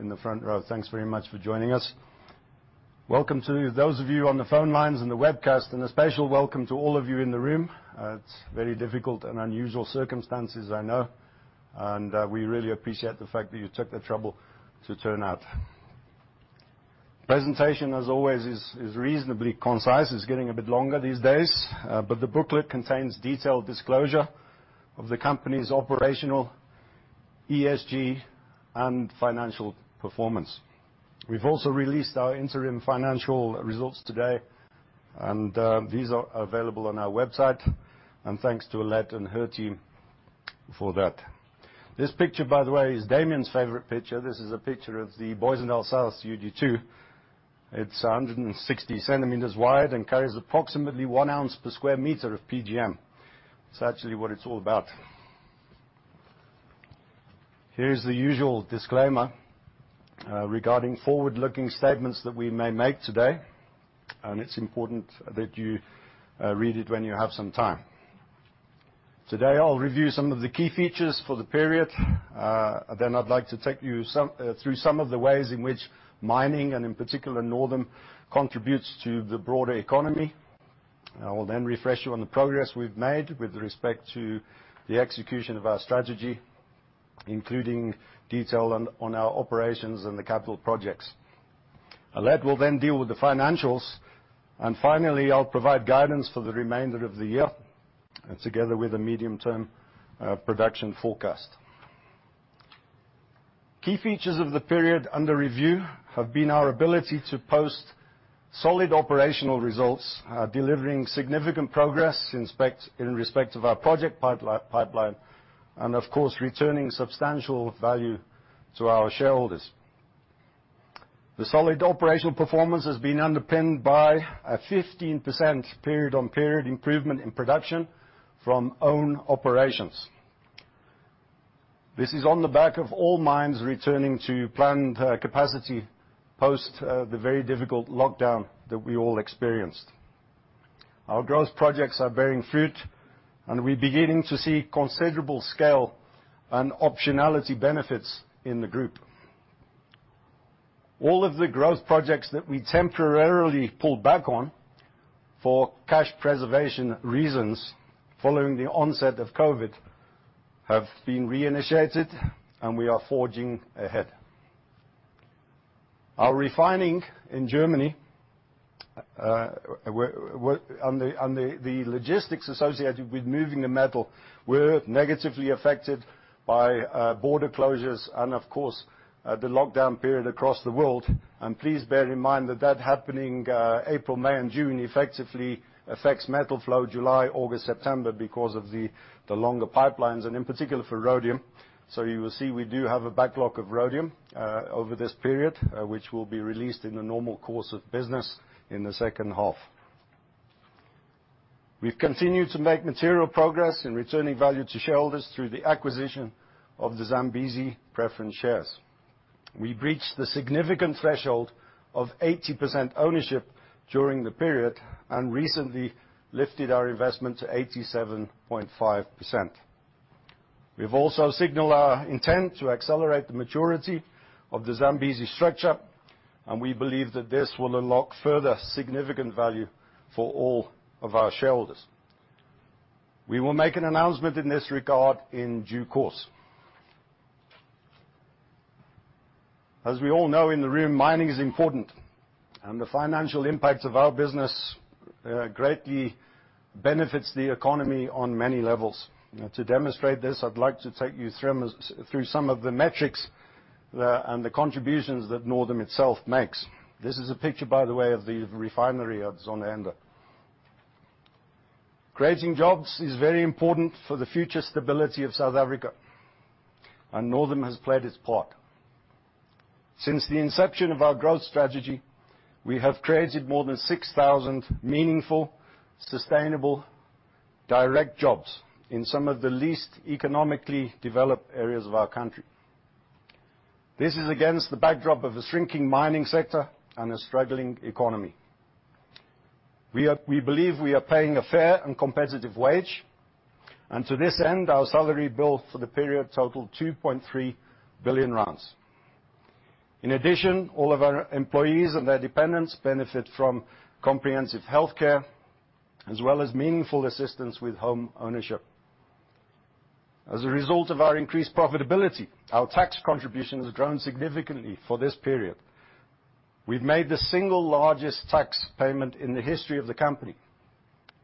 In the front row, thanks very much for joining us. Welcome to those of you on the phone lines and the webcast, and a special welcome to all of you in the room. It's very difficult and unusual circumstances, I know. We really appreciate the fact that you took the trouble to turn out. Presentation, as always, is reasonably concise. It's getting a bit longer these days. The booklet contains detailed disclosure of the company's operational, ESG, and financial performance. We've also released our interim financial results today, and these are available on our website. Thanks to Alet and her team for that. This picture, by the way, is Damian's favorite picture. This is a picture of the Booysendal South UG2. It's 160 cm wide and carries approximately 1 oz/sq m of PGM. It's actually what it's all about. Here's the usual disclaimer regarding forward-looking statements that we may make today. It's important that you read it when you have some time. Today, I'll review some of the key features for the period. I'd like to take you through some of the ways in which mining, and in particular, Northam, contributes to the broader economy. I will refresh you on the progress we've made with respect to the execution of our strategy, including detail on our operations and the capital projects. Alet will deal with the financials. Finally, I'll provide guidance for the remainder of the year, and together with a medium-term production forecast. Key features of the period under review have been our ability to post solid operational results, delivering significant progress in respect of our project pipeline, and of course, returning substantial value to our shareholders. The solid operational performance has been underpinned by a 15% period-on-period improvement in production from own operations. This is on the back of all mines returning to planned capacity post the very difficult lockdown that we all experienced. Our growth projects are bearing fruit, and we're beginning to see considerable scale and optionality benefits in the group. All of the growth projects that we temporarily pulled back on for cash preservation reasons following the onset of COVID have been reinitiated, and we are forging ahead. Our refining in Germany, and the logistics associated with moving the metal, were negatively affected by border closures and, of course, the lockdown period across the world. Please bear in mind that that happening April, May, and June effectively affects metal flow July, August, September because of the longer pipelines, and in particular, for rhodium. You will see we do have a backlog of rhodium over this period, which will be released in the normal course of business in the second half. We've continued to make material progress in returning value to shareholders through the acquisition of the Zambezi preference shares. We breached the significant threshold of 80% ownership during the period and recently lifted our investment to 87.5%. We've also signaled our intent to accelerate the maturity of the Zambezi structure, and we believe that this will unlock further significant value for all of our shareholders. We will make an announcement in this regard in due course. As we all know in the room, mining is important, and the financial impact of our business greatly benefits the economy on many levels. To demonstrate this, I'd like to take you through some of the metrics and the contributions that Northam itself makes. This is a picture, by the way, of the refinery at Zondereinde. Creating jobs is very important for the future stability of South Africa, and Northam has played its part. Since the inception of our growth strategy, we have created more than 6,000 meaningful, sustainable direct jobs in some of the least economically developed areas of our country. This is against the backdrop of a shrinking mining sector and a struggling economy. We believe we are paying a fair and competitive wage, and to this end, our salary bill for the period totaled 2.3 billion rand. In addition, all of our employees and their dependents benefit from comprehensive healthcare, as well as meaningful assistance with home ownership. As a result of our increased profitability, our tax contributions have grown significantly for this period. We've made the single largest tax payment in the history of the company.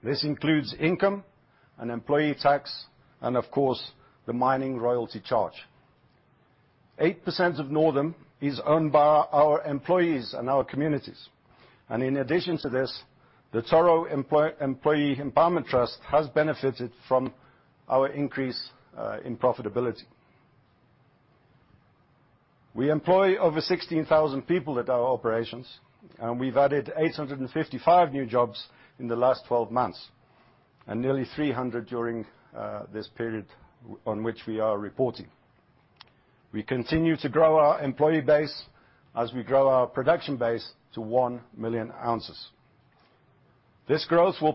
This includes income and employee tax and, of course, the mining royalty charge. 8% of Northam is owned by our employees and our communities. In addition to this, the Toro Employee Empowerment Trust has benefited from our increase in profitability. We employ over 16,000 people at our operations, and we've added 855 new jobs in the last 12 months, and nearly 300 during this period on which we are reporting. We continue to grow our employee base as we grow our production base to 1 million ounces. This growth will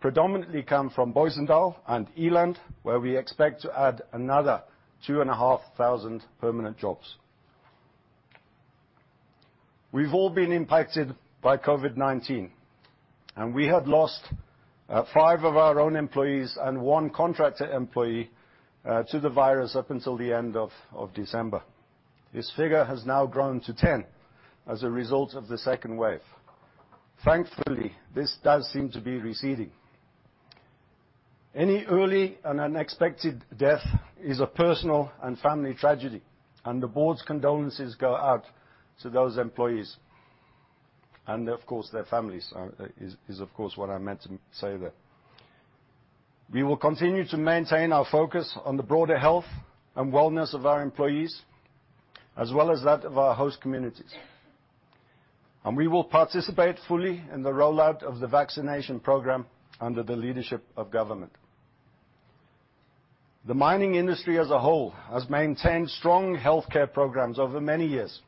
predominantly come from Booysendal and Eland, where we expect to add another 2,500 permanent jobs. We've all been impacted by COVID-19, and we have lost five of our own employees and one contractor employee to the virus up until the end of December. This figure has now grown to 10 as a result of the second wave. Thankfully, this does seem to be receding. Any early and unexpected death is a personal and family tragedy, the board's condolences go out to those employees and of course their families, is of course what I meant to say there. We will continue to maintain our focus on the broader health and wellness of our employees, as well as that of our host communities. We will participate fully in the rollout of the vaccination program under the leadership of government. The mining industry as a whole has maintained strong healthcare programs over many years.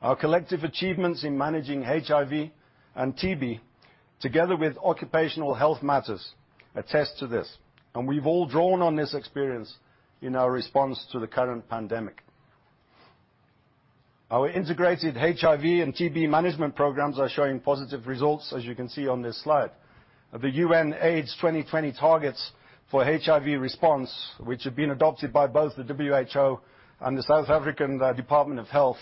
Our collective achievements in managing HIV and TB, together with occupational health matters, attest to this, we've all drawn on this experience in our response to the current pandemic. Our integrated HIV and TB management programs are showing positive results, as you can see on this slide. The UNAIDS 2020 targets for HIV response, which have been adopted by both the WHO and the South African Department of Health,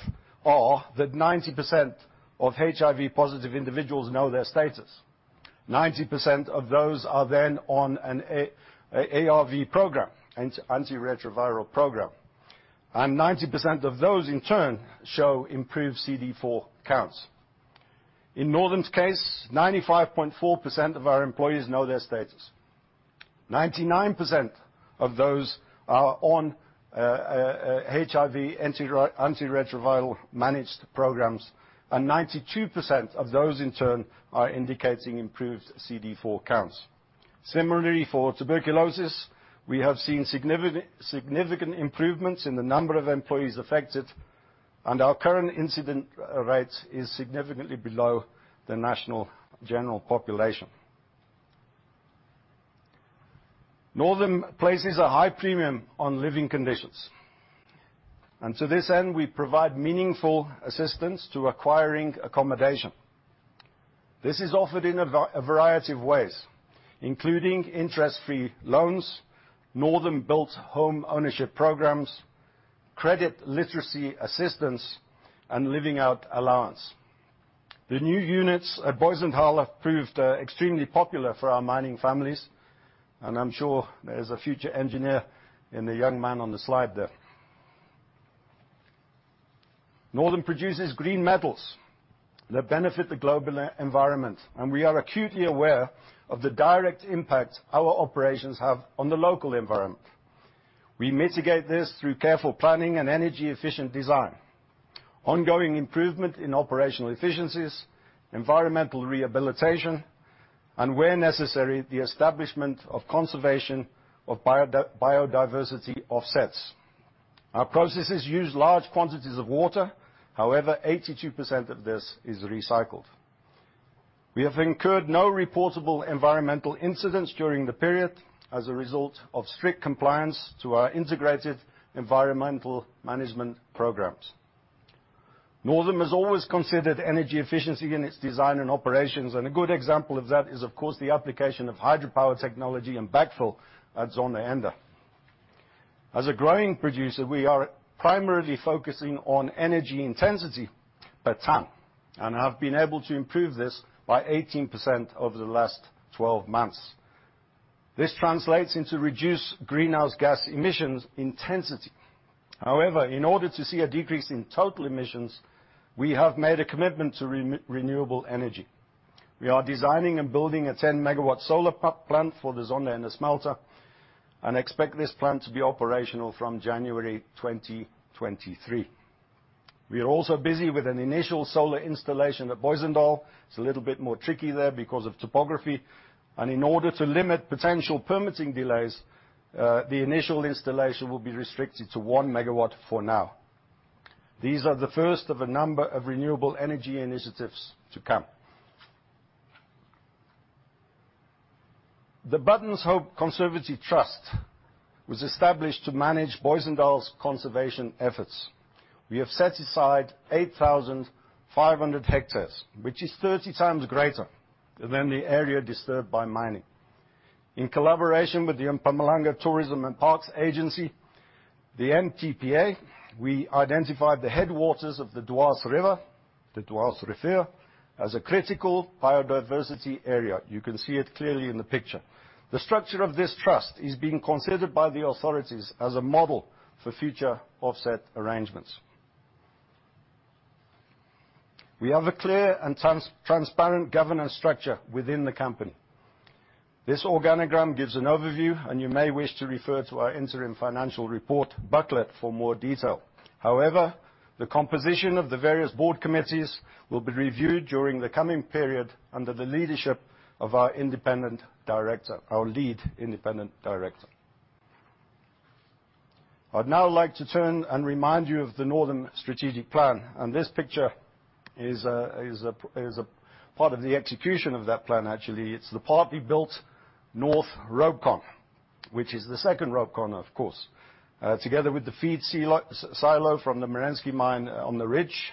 are that 90% of HIV positive individuals know their status. 90% of those are then on an ARV program, antiretroviral program. 90% of those in turn show improved CD4 counts. In Northam's case, 95.4% of our employees know their status. 99% of those are on HIV antiretroviral managed programs, and 92% of those in turn are indicating improved CD4 counts. Similarly, for tuberculosis, we have seen significant improvements in the number of employees affected, and our current incident rate is significantly below the national general population. Northam places a high premium on living conditions. To this end, we provide meaningful assistance to acquiring accommodation. This is offered in a variety of ways, including interest-free loans, Northam-built home ownership programs, credit literacy assistance, and living out allowance. The new units at Booysendal have proved extremely popular for our mining families, and I'm sure there's a future engineer in the young man on the slide there. Northam produces green metals that benefit the global environment, and we are acutely aware of the direct impact our operations have on the local environment. We mitigate this through careful planning and energy-efficient design, ongoing improvement in operational efficiencies, environmental rehabilitation, and where necessary, the establishment of conservation of biodiversity offsets. Our processes use large quantities of water, however, 82% of this is recycled. We have incurred no reportable environmental incidents during the period as a result of strict compliance to our integrated environmental management programs. Northam has always considered energy efficiency in its design and operations, and a good example of that is, of course, the application of hydropower technology and backfill at Zondereinde. As a growing producer, we are primarily focusing on energy intensity per ton, and have been able to improve this by 18% over the last 12 months. This translates into reduced greenhouse gas emissions intensity. In order to see a decrease in total emissions, we have made a commitment to renewable energy. We are designing and building a 10-megawatt solar plant for the Zondereinde smelter and expect this plant to be operational from January 2023. We are also busy with an initial solar installation at Booysendal. It's a little bit more tricky there because of topography. In order to limit potential permitting delays, the initial installation will be restricted to one megawatt for now. These are the first of a number of renewable energy initiatives to come. The Buttonshope Conservancy Trust was established to manage Booysendal's conservation efforts. We have set aside 8,500 hectares, which is 30 times greater than the area disturbed by mining. In collaboration with the Mpumalanga Tourism and Parks Agency, the MTPA, we identified the headwaters of the Dwars River as a critical biodiversity area. You can see it clearly in the picture. The structure of this trust is being considered by the authorities as a model for future offset arrangements. We have a clear and transparent governance structure within the company. This organigram gives an overview, and you may wish to refer to our interim financial report booklet for more detail. However, the composition of the various board committees will be reviewed during the coming period under the leadership of our lead independent director. I'd now like to turn and remind you of the Northam strategic plan. This picture is a part of the execution of that plan, actually. It's the partly built North RopeCon, which is the second RopeCon, of course, together with the feed silo from the Merensky mine on the ridge.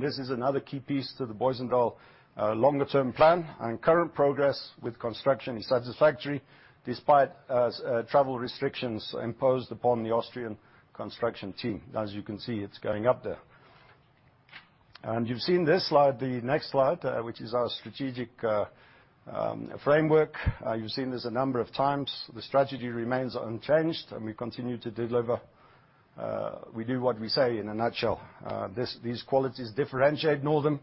This is another key piece to the Booysendal longer term plan, and current progress with construction is satisfactory despite travel restrictions imposed upon the Austrian construction team. As you can see, it's going up there. You've seen this slide. The next slide, which is our strategic framework, you've seen this a number of times. The strategy remains unchanged, and we continue to deliver. We do what we say, in a nutshell. These qualities differentiate Northam,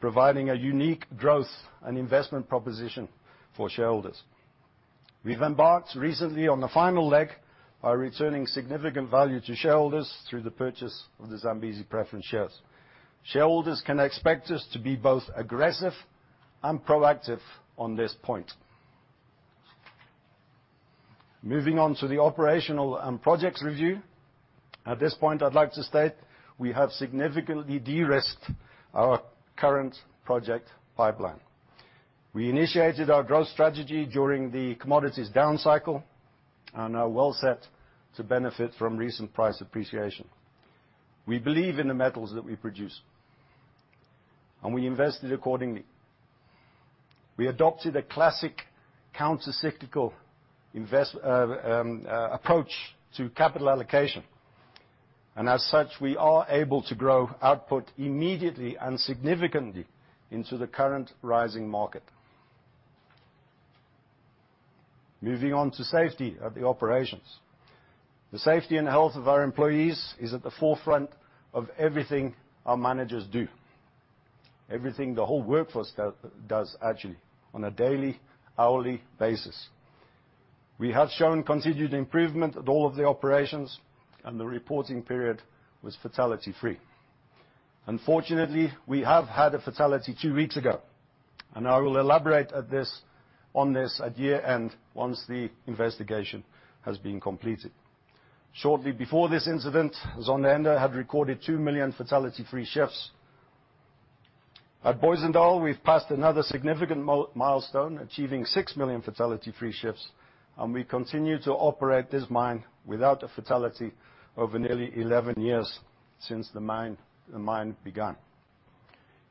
providing a unique growth and investment proposition for shareholders. We've embarked recently on the final leg by returning significant value to shareholders through the purchase of the Zambezi preference shares. Shareholders can expect us to be both aggressive and proactive on this point. Moving on to the operational and projects review. At this point, I'd like to state we have significantly de-risked our current project pipeline. We initiated our growth strategy during the commodities down cycle and are well set to benefit from recent price appreciation. We believe in the metals that we produce, and we invested accordingly. We adopted a classic counter-cyclical approach to capital allocation. As such, we are able to grow output immediately and significantly into the current rising market. Moving on to safety at the operations. The safety and health of our employees is at the forefront of everything our managers do, everything the whole workforce does, actually, on a daily, hourly basis. We have shown continued improvement at all of the operations, and the reporting period was fatality-free. Unfortunately, we have had a fatality two weeks ago, and I will elaborate on this at year-end once the investigation has been completed. Shortly before this incident, Zondereinde had recorded 2 million fatality-free shifts. At Booysendal, we've passed another significant milestone, achieving 6 million fatality-free shifts. We continue to operate this mine without a fatality over nearly 11 years since the mine began.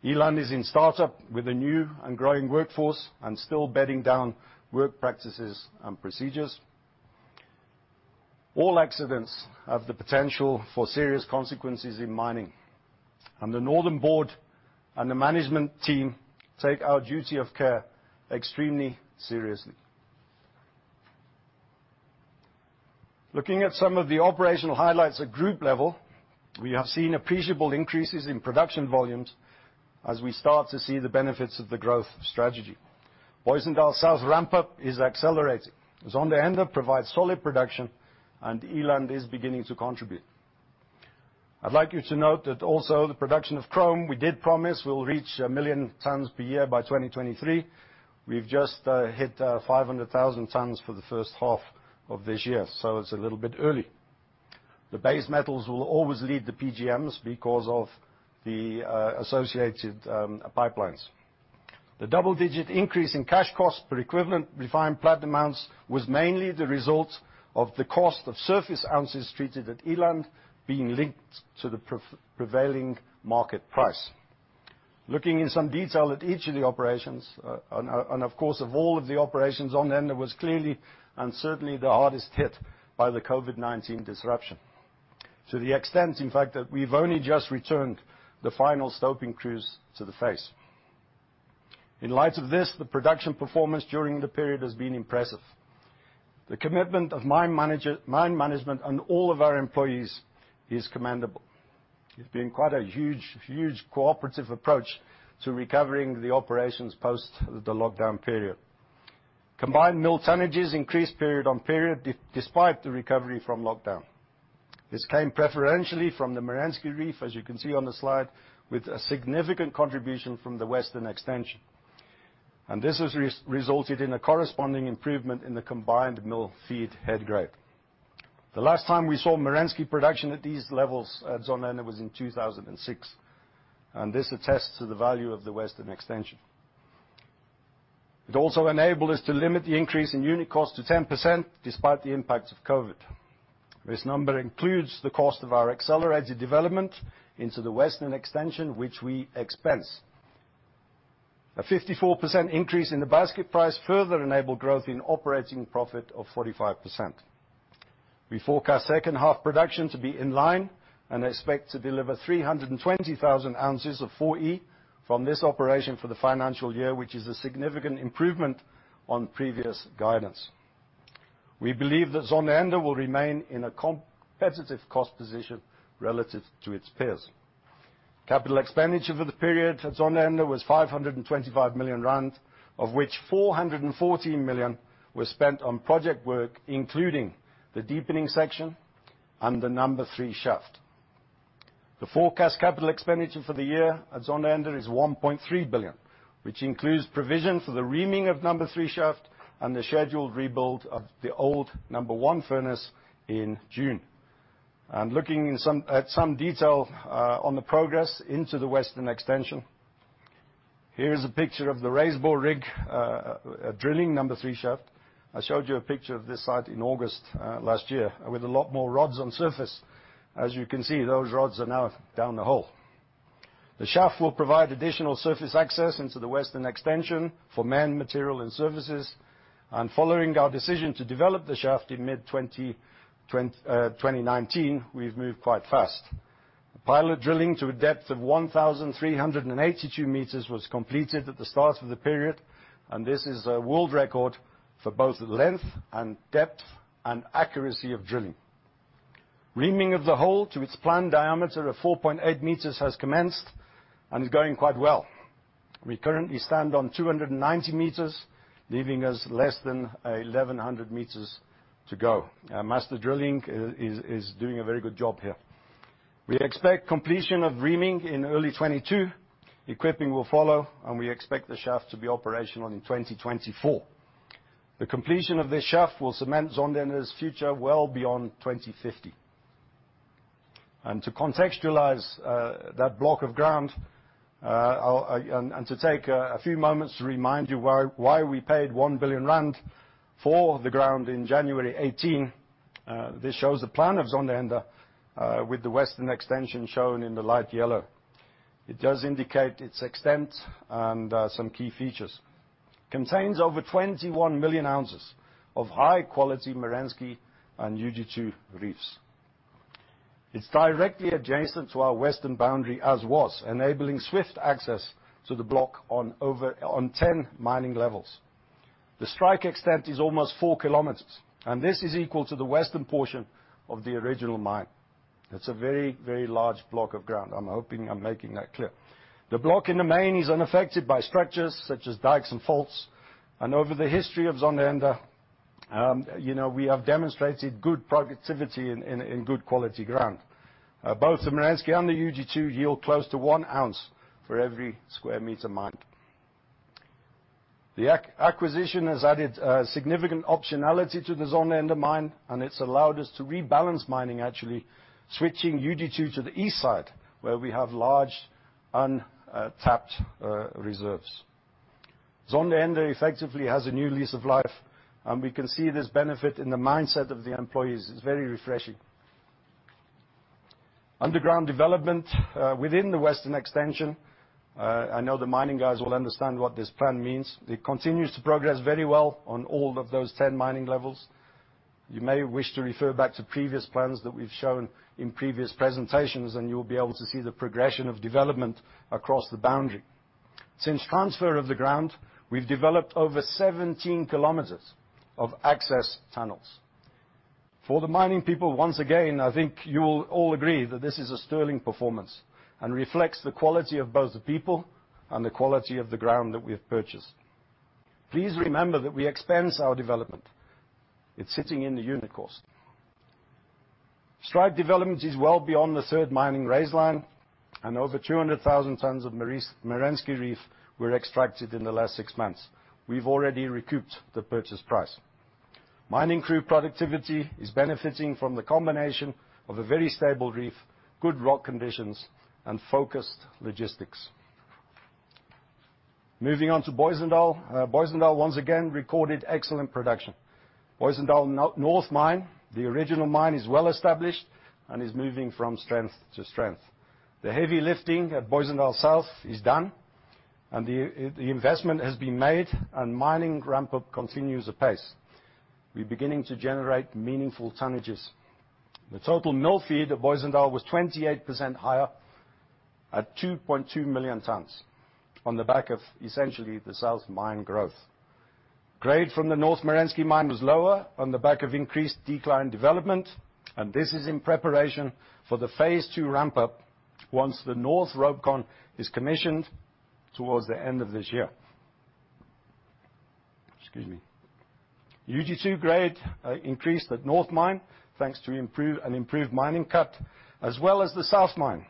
Eland is in startup with a new and growing workforce and still bedding down work practices and procedures. All accidents have the potential for serious consequences in mining. The Northam board and the management team take our duty of care extremely seriously. Looking at some of the operational highlights at group level, we have seen appreciable increases in production volumes as we start to see the benefits of the growth strategy. Booysendal South ramp-up is accelerating, Zondereinde provides solid production, and Eland is beginning to contribute. I'd like you to note that also the production of chrome we did promise will reach 1 million tons per year by 2023. We've just hit 500,000 tons for the first half of this year, so it's a little bit early. The base metals will always lead the PGMs because of the associated pipelines. The double-digit increase in cash cost per equivalent refined platinum ounce was mainly the result of the cost of surface ounces treated at Eland being linked to the prevailing market price. Looking in some detail at each of the operations, and of course, of all of the operations, Zondereinde was clearly and certainly the hardest hit by the COVID-19 disruption. To the extent, in fact, that we've only just returned the final stoping crews to the face. In light of this, the production performance during the period has been impressive. The commitment of mine management and all of our employees is commendable. It's been quite a huge cooperative approach to recovering the operations post the lockdown period. Combined mill tonnages increased period on period despite the recovery from lockdown. This came preferentially from the Merensky Reef, as you can see on the slide, with a significant contribution from the Western Extension. This has resulted in a corresponding improvement in the combined mill feed head grade. The last time we saw Merensky production at these levels at Zondereinde was in 2006. This attests to the value of the Western Extension. It also enabled us to limit the increase in unit cost to 10% despite the impact of COVID. This number includes the cost of our accelerated development into the Western Extension, which we expense. A 54% increase in the basket price further enabled growth in operating profit of 45%. We forecast second half production to be in line and expect to deliver 320,000 oz of 4E from this operation for the financial year, which is a significant improvement on previous guidance. We believe that Zondereinde will remain in a competitive cost position relative to its peers. Capital expenditure for the period at Zondereinde was 525 million rand, of which 414 million were spent on project work, including the deepening section and the Number 3 Shaft. The forecast capital expenditure for the year at Zondereinde is 1.3 billion, which includes provision for the reaming of Number 3 Shaft and the scheduled rebuild of the old number one furnace in June. Looking at some detail on the progress into the western extension, here is a picture of the raise bore rig, drilling Number 3 Shaft. I showed you a picture of this site in August last year with a lot more rods on surface. As you can see, those rods are now down the hole. The shaft will provide additional surface access into the western extension for man, material, and services. Following our decision to develop the shaft in mid-2019, we've moved quite fast. The pilot drilling to a depth of 1,382 m was completed at the start of the period. This is a world record for both length and depth and accuracy of drilling. Reaming of the hole to its planned diameter of 4.8 m has commenced and is going quite well. We currently stand on 290 m, leaving us less than 1,100 m to go. Master Drilling is doing a very good job here. We expect completion of reaming in early 2022. Equipping will follow, and we expect the shaft to be operational in 2024. The completion of this shaft will cement Zondereinde's future well beyond 2050. To contextualize that block of ground, and to take a few moments to remind you why we paid 1 billion rand for the ground in January 2018, this shows the plan of Zondereinde, with the western extension shown in the light yellow. It does indicate its extent and some key features. Contains over 21 million ounces of high-quality Merensky and UG2 reefs. It is directly adjacent to our western boundary as was, enabling swift access to the block on 10 mining levels. The strike extent is almost 4 km, and this is equal to the western portion of the original mine. That is a very large block of ground. I am hoping I am making that clear. The block in the main is unaffected by structures such as dikes and faults. Over the history of Zondereinde, we have demonstrated good productivity and good quality ground. Both the Merensky and the UG2 yield close to 1 oz for every square meter mined. The acquisition has added significant optionality to the Zondereinde mine, it's allowed us to rebalance mining actually, switching UG2 to the east side, where we have large untapped reserves. Zondereinde effectively has a new lease of life, we can see this benefit in the mindset of the employees. It's very refreshing. Underground development within the western extension, I know the mining guys will understand what this plan means. It continues to progress very well on all of those 10 mining levels. You may wish to refer back to previous plans that we've shown in previous presentations, and you'll be able to see the progression of development across the boundary. Since transfer of the ground, we've developed over 17 km of access tunnels. For the mining people, once again, I think you will all agree that this is a sterling performance and reflects the quality of both the people and the quality of the ground that we have purchased. Please remember that we expense our development. It's sitting in the unit cost. Strike development is well beyond the third mining raise line, and over 200,000 tons of Merensky Reef were extracted in the last six months. We've already recouped the purchase price. Mining crew productivity is benefiting from the combination of a very stable reef, good rock conditions, and focused logistics. Moving on to Booysendal. Booysendal, once again, recorded excellent production. Booysendal North mine, the original mine, is well established and is moving from strength to strength. The heavy lifting at Booysendal South is done, and the investment has been made, and mining ramp up continues apace. We're beginning to generate meaningful tonnages. The total mill feed at Booysendal was 28% higher at 2.2 million tons on the back of essentially the South mine growth. Grade from the North Merensky mine was lower on the back of increased decline development, and this is in preparation for the phase 2 ramp up once the north RopeCon is commissioned towards the end of this year. Excuse me. UG2 grade increased at North mine, thanks to an improved mining cut, as well as the South mine,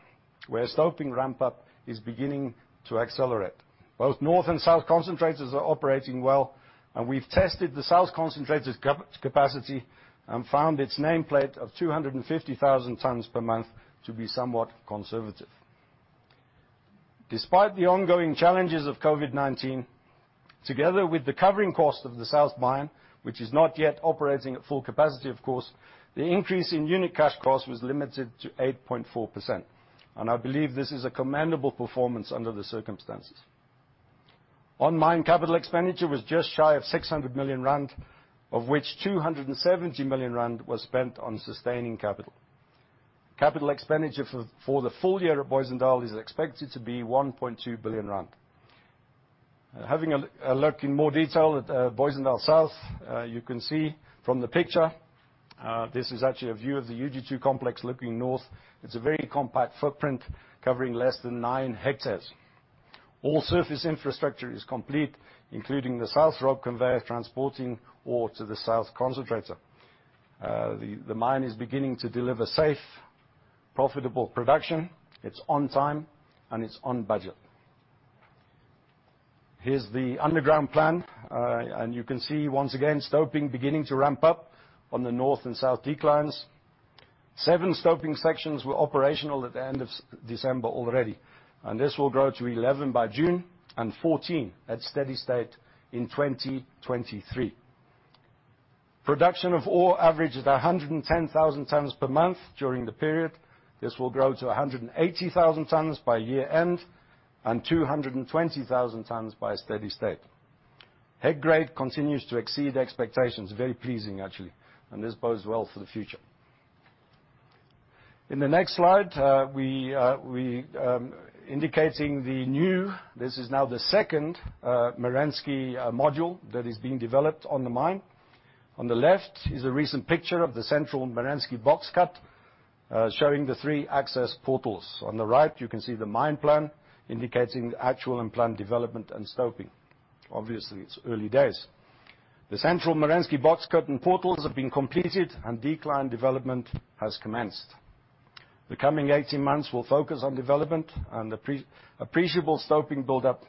where stoping ramp up is beginning to accelerate. Both North and South concentrators are operating well, and we've tested the South concentrator's capacity and found its nameplate of 250,000 tons per month to be somewhat conservative. Despite the ongoing challenges of COVID-19, together with the covering cost of the South mine, which is not yet operating at full capacity, of course, the increase in unit cash cost was limited to 8.4%. I believe this is a commendable performance under the circumstances. On-mine capital expenditure was just shy of 600 million rand, of which 270 million rand was spent on sustaining capital. Capital expenditure for the full year at Booysendal is expected to be 1.2 billion rand. Having a look in more detail at Booysendal South, you can see from the picture, this is actually a view of the UG2 complex looking north. It's a very compact footprint covering less than 9 hectares. All surface infrastructure is complete, including the south RopeCon transporting ore to the south concentrator. The mine is beginning to deliver safe, profitable production. It's on time and it's on budget. Here's the underground plan. You can see once again, stoping beginning to ramp up on the north and south declines. Seven stoping sections were operational at the end of December already, this will grow to 11 by June, 14 at steady state in 2023. Production of ore averaged at 110,000 tons per month during the period. This will grow to 180,000 tons by year end, 220,000 tons by steady state. Head grade continues to exceed expectations. Very pleasing, actually, this bodes well for the future. In the next slide, we indicating the new, this is now the second Merensky module that is being developed on the mine. On the left is a recent picture of the central Merensky box cut, showing the three access portals. On the right, you can see the mine plan indicating the actual and planned development and stoping. Obviously, it's early days. The central Merensky box cut and portals have been completed and decline development has commenced. The coming 18 months will focus on development, and appreciable stoping buildup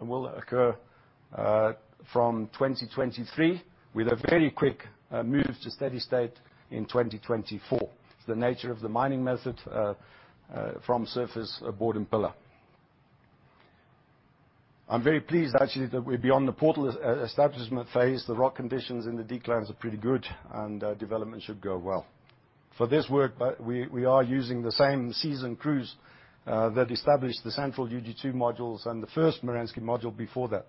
will occur from 2023, with a very quick move to steady state in 2024. It's the nature of the mining method from surface bord and pillar. I'm very pleased actually, that we're beyond the portal establishment phase. The rock conditions in the declines are pretty good and development should go well. For this work, we are using the same seasoned crews that established the central UG2 modules and the first Merensky module before that.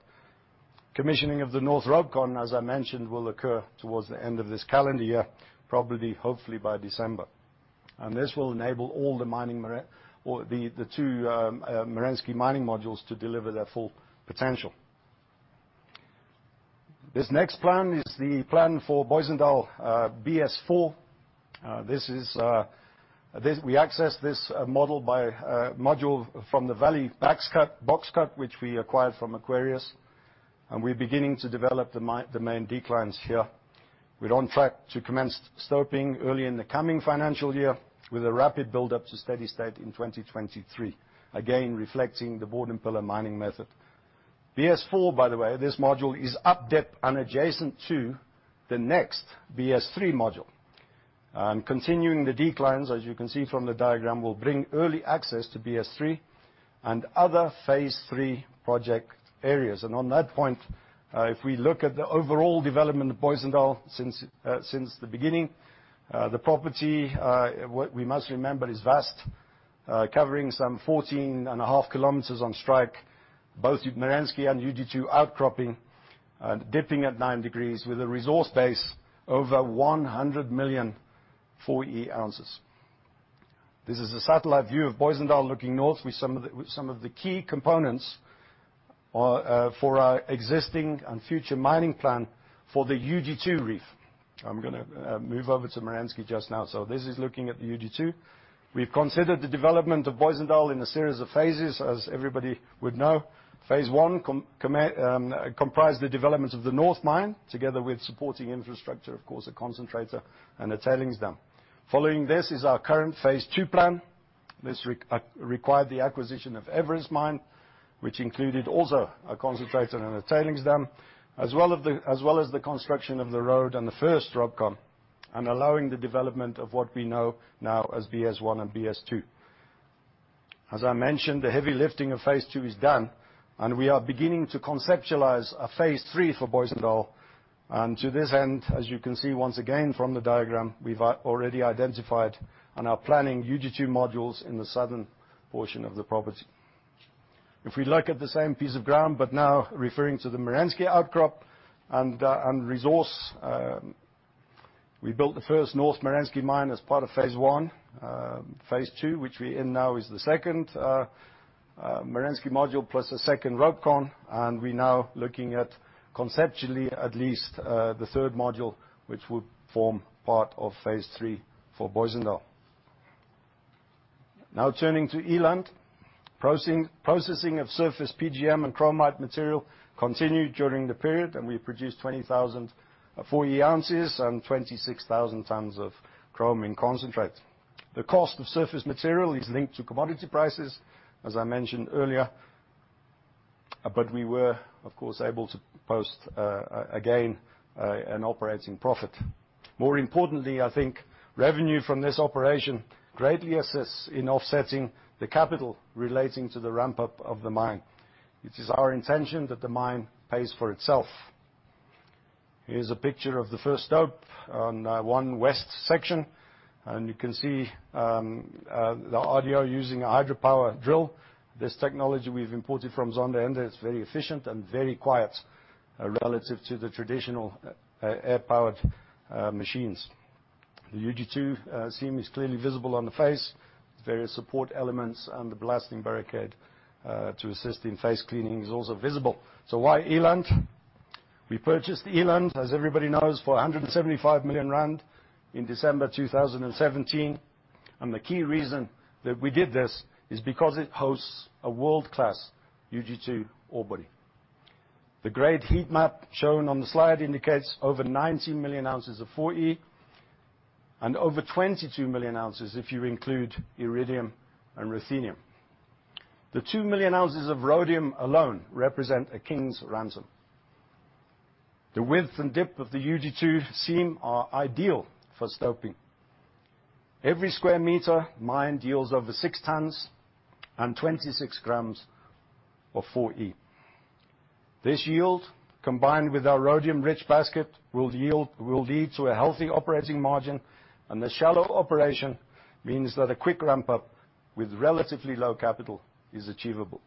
Commissioning of the north RopeCon, as I mentioned, will occur towards the end of this calendar year, probably, hopefully by December. This will enable all the mining, or the two Merensky mining modules, to deliver their full potential. This next plan is the plan for Booysendal BS4. We access this module from the valley box cut, which we acquired from Aquarius, and we're beginning to develop the main declines here. We're on track to commence stoping early in the coming financial year with a rapid buildup to steady state in 2023. Again, reflecting the bord and pillar mining method. BS4, by the way, this module is up-depth and adjacent to the next BS3 module. Continuing the declines, as you can see from the diagram, will bring early access to BS3 and other phase 3 project areas. On that point, if we look at the overall development of Booysendal since the beginning, the property, what we must remember, is vast, covering some 14.5 km on strike, both Merensky and UG2 outcropping and dipping at nine degrees with a resource base over 100 million 4E ounces. This is a satellite view of Booysendal looking north with some of the key components for our existing and future mining plan for the UG2 reef. I'm going to move over to Merensky just now. This is looking at the UG2. We've considered the development of Booysendal in a series of phases, as everybody would know. Phase 1 comprised the development of the north mine together with supporting infrastructure, of course, a concentrator and a tailings dam. Following this is our current phase 2 plan. This required the acquisition of Everest mine, which included also a concentrator and a tailings dam, as well as the construction of the road and the first RopeCon, and allowing the development of what we know now as BS1 and BS2. As I mentioned, the heavy lifting of phase 2 is done and we are beginning to conceptualize a phase 3 for Booysendal. To this end, as you can see once again from the diagram, we've already identified and are planning UG2 modules in the southern portion of the property. If we look at the same piece of ground, but now referring to the Merensky outcrop and resource, we built the first North Merensky Mine as part of phase 1. Phase 2, which we're in now, is the second Merensky module plus a second RopeCon. We're now looking at conceptually at least, the third module, which would form part of phase 3 for Booysendal. Turning to Eland. Processing of surface PGM and chromite material continued during the period. We produced 20,000 4E ounces and 26,000 tons of chrome in concentrate. The cost of surface material is linked to commodity prices, as I mentioned earlier. We were, of course, able to post again, an operating profit. More importantly, I think revenue from this operation greatly assists in offsetting the capital relating to the ramp-up of the mine. It is our intention that the mine pays for itself. Here's a picture of the first stope on 1 west section. You can see the RDO using a hydro-powered drill. This technology we've imported from Zondereinde. It's very efficient and very quiet relative to the traditional air-powered machines. The UG2 seam is clearly visible on the face. There's various support elements, and the blasting barricade to assist in face cleaning is also visible. Why Eland? We purchased Eland, as everybody knows, for 175 million rand in December 2017, and the key reason that we did this is because it hosts a world-class UG2 ore body. The grade heat map shown on the slide indicates over 90 million ounces of 4E, and over 22 million ounces if you include iridium and ruthenium. The 2 million ounces of rhodium alone represent a king's ransom. The width and depth of the UG2 seam are ideal for stoping. Every square meter mined yields over 6 tons and 26 g of 4E. This yield, combined with our rhodium-rich basket, will lead to a healthy operating margin, and the shallow operation means that a quick ramp-up with relatively low capital is achievable.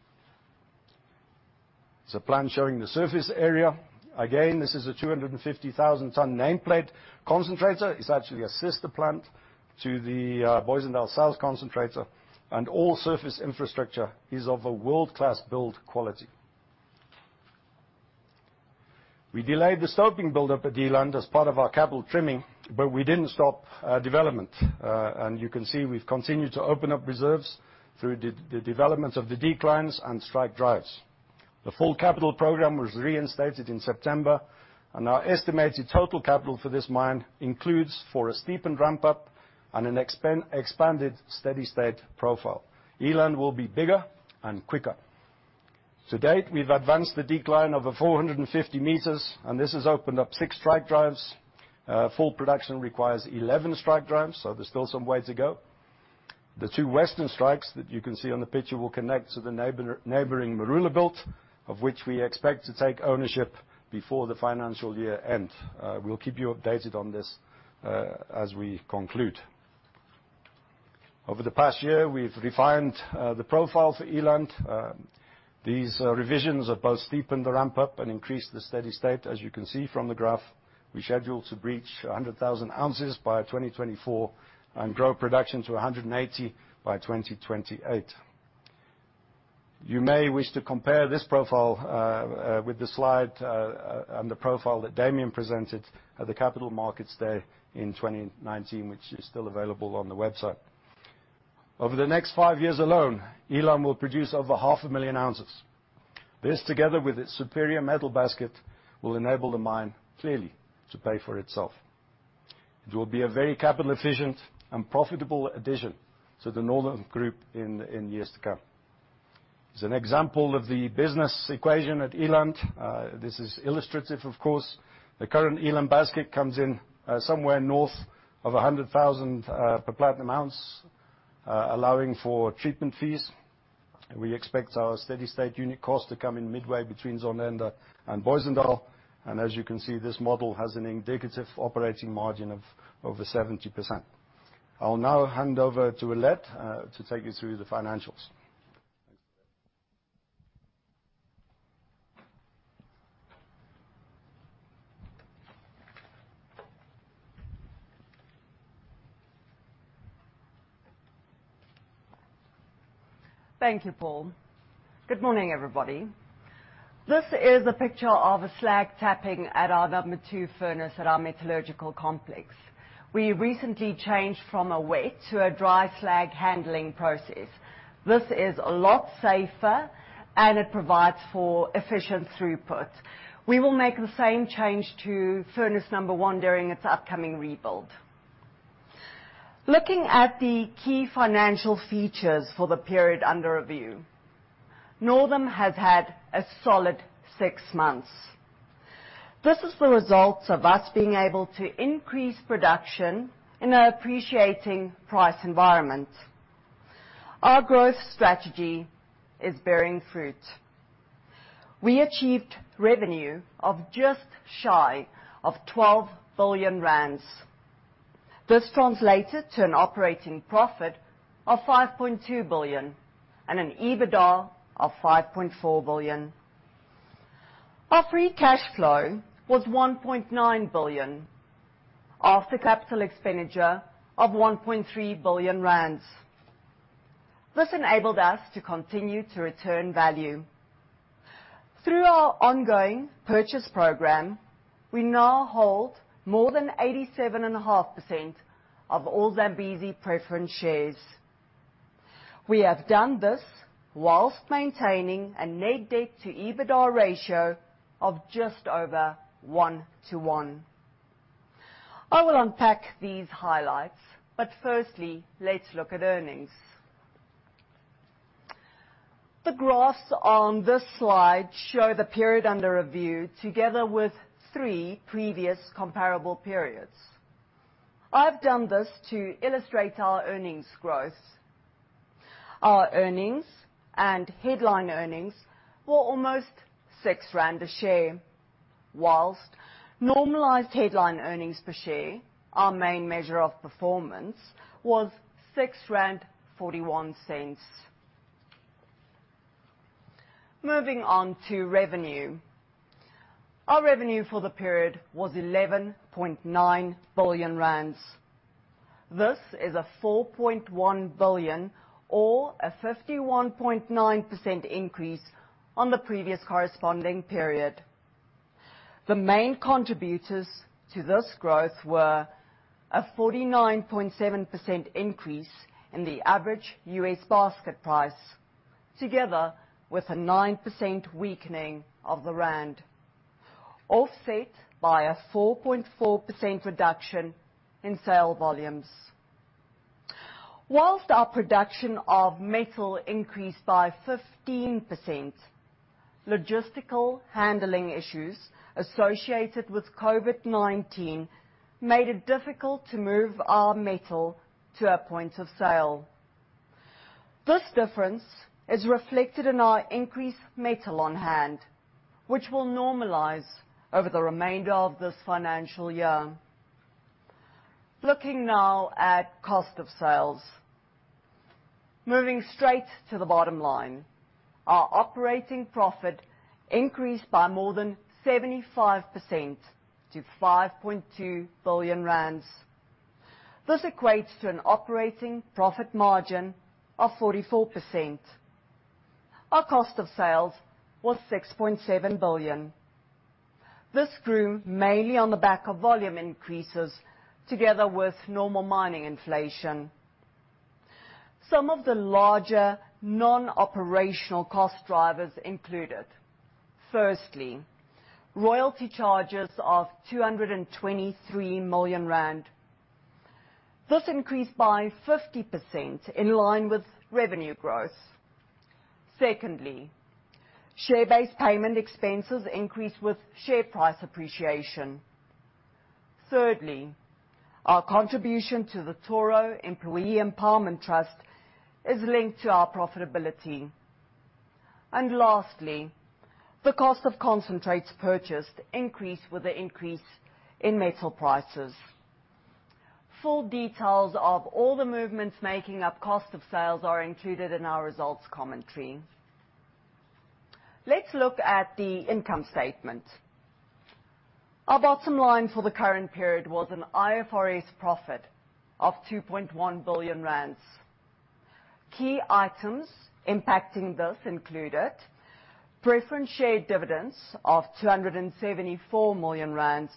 It's a plan showing the surface area. Again, this is a 250,000-ton nameplate concentrator. It's actually a sister plant to the Booysendal South concentrator, and all surface infrastructure is of a world-class build quality. We delayed the stoping build-up at Eland as part of our capital trimming, but we didn't stop development. You can see we've continued to open up reserves through the development of the declines and strike drives. The full capital program was reinstated in September, and our estimated total capital for this mine includes for a steepened ramp-up and an expanded steady-state profile. Eland will be bigger and quicker. To date, we've advanced the decline over 450 m, and this has opened up six strike drives. Full production requires 11 strike drives, there's still some way to go. The two western strikes that you can see on the picture will connect to the neighboring Maroelabult, of which we expect to take ownership before the financial year ends. We'll keep you updated on this as we conclude. Over the past year, we've refined the profile for Eland. These revisions have both steepened the ramp-up and increased the steady state. As you can see from the graph, we schedule to reach 100,000 oz by 2024 and grow production to 180 by 2028. You may wish to compare this profile with the slide and the profile that Damian presented at the Capital Markets Day in 2019, which is still available on the website. Over the next five years alone, Eland will produce over 500,000 oz. This, together with its superior metal basket, will enable the mine clearly to pay for itself. It will be a very capital efficient and profitable addition to the Northam group in years to come. Here's an example of the business equation at Eland. This is illustrative, of course. The current Eland basket comes in somewhere north of 100,000 per platinum ounce, allowing for treatment fees. We expect our steady state unit cost to come in midway between Zondereinde and Booysendal, and as you can see, this model has an indicative operating margin of over 70%. I'll now hand over to Alet to take you through the financials. Thanks, Alet. Thank you, Paul. Good morning, everybody. This is a picture of a slag tapping at our number two furnace at our metallurgical complex. We recently changed from a wet to a dry slag handling process. This is a lot safer and it provides for efficient throughput. We will make the same change to furnace number one during its upcoming rebuild. Looking at the key financial features for the period under review, Northam has had a solid six months. This is the result of us being able to increase production in an appreciating price environment. Our growth strategy is bearing fruit. We achieved revenue of just shy of 12 billion rand. This translated to an operating profit of 5.2 billion and an EBITDA of 5.4 billion. Our free cash flow was 1.9 billion after capital expenditure of 1.3 billion rand. This enabled us to continue to return value. Through our ongoing purchase program, we now hold more than 87.5% of all Zambezi preference shares. We have done this whilst maintaining a net debt to EBITDA ratio of just over 1:1. I will unpack these highlights, but firstly, let's look at earnings. The graphs on this slide show the period under review together with three previous comparable periods. I've done this to illustrate our earnings growth. Our earnings and headline earnings were almost 6 rand a share, whilst normalized headline earnings per share, our main measure of performance, was ZAR 6.41. Moving on to revenue. Our revenue for the period was 11.9 billion rand. This is a 4.1 billion or a 51.9% increase on the previous corresponding period. The main contributors to this growth were a 49.7% increase in the average U.S. basket price, together with a 9% weakening of the ZAR, offset by a 4.4% reduction in sale volumes. Whilst our production of metal increased by 15%, logistical handling issues associated with COVID-19 made it difficult to move our metal to a point of sale. This difference is reflected in our increased metal on hand, which will normalize over the remainder of this financial year. Looking now at cost of sales. Moving straight to the bottom line, our operating profit increased by more than 75% to 5.2 billion rand. This equates to an operating profit margin of 44%. Our cost of sales was 6.7 billion. This grew mainly on the back of volume increases together with normal mining inflation. Some of the larger non-operational cost drivers included, firstly, royalty charges of 223 million rand. This increased by 50% in line with revenue growth. Secondly, share-based payment expenses increased with share price appreciation. Thirdly, our contribution to the Toro Employee Empowerment Trust is linked to our profitability. Lastly, the cost of concentrates purchased increased with the increase in metal prices. Full details of all the movements making up cost of sales are included in our results commentary. Let's look at the income statement. Our bottom line for the current period was an IFRS profit of 2.1 billion rand. Key items impacting this included preference share dividends of 274 million rand,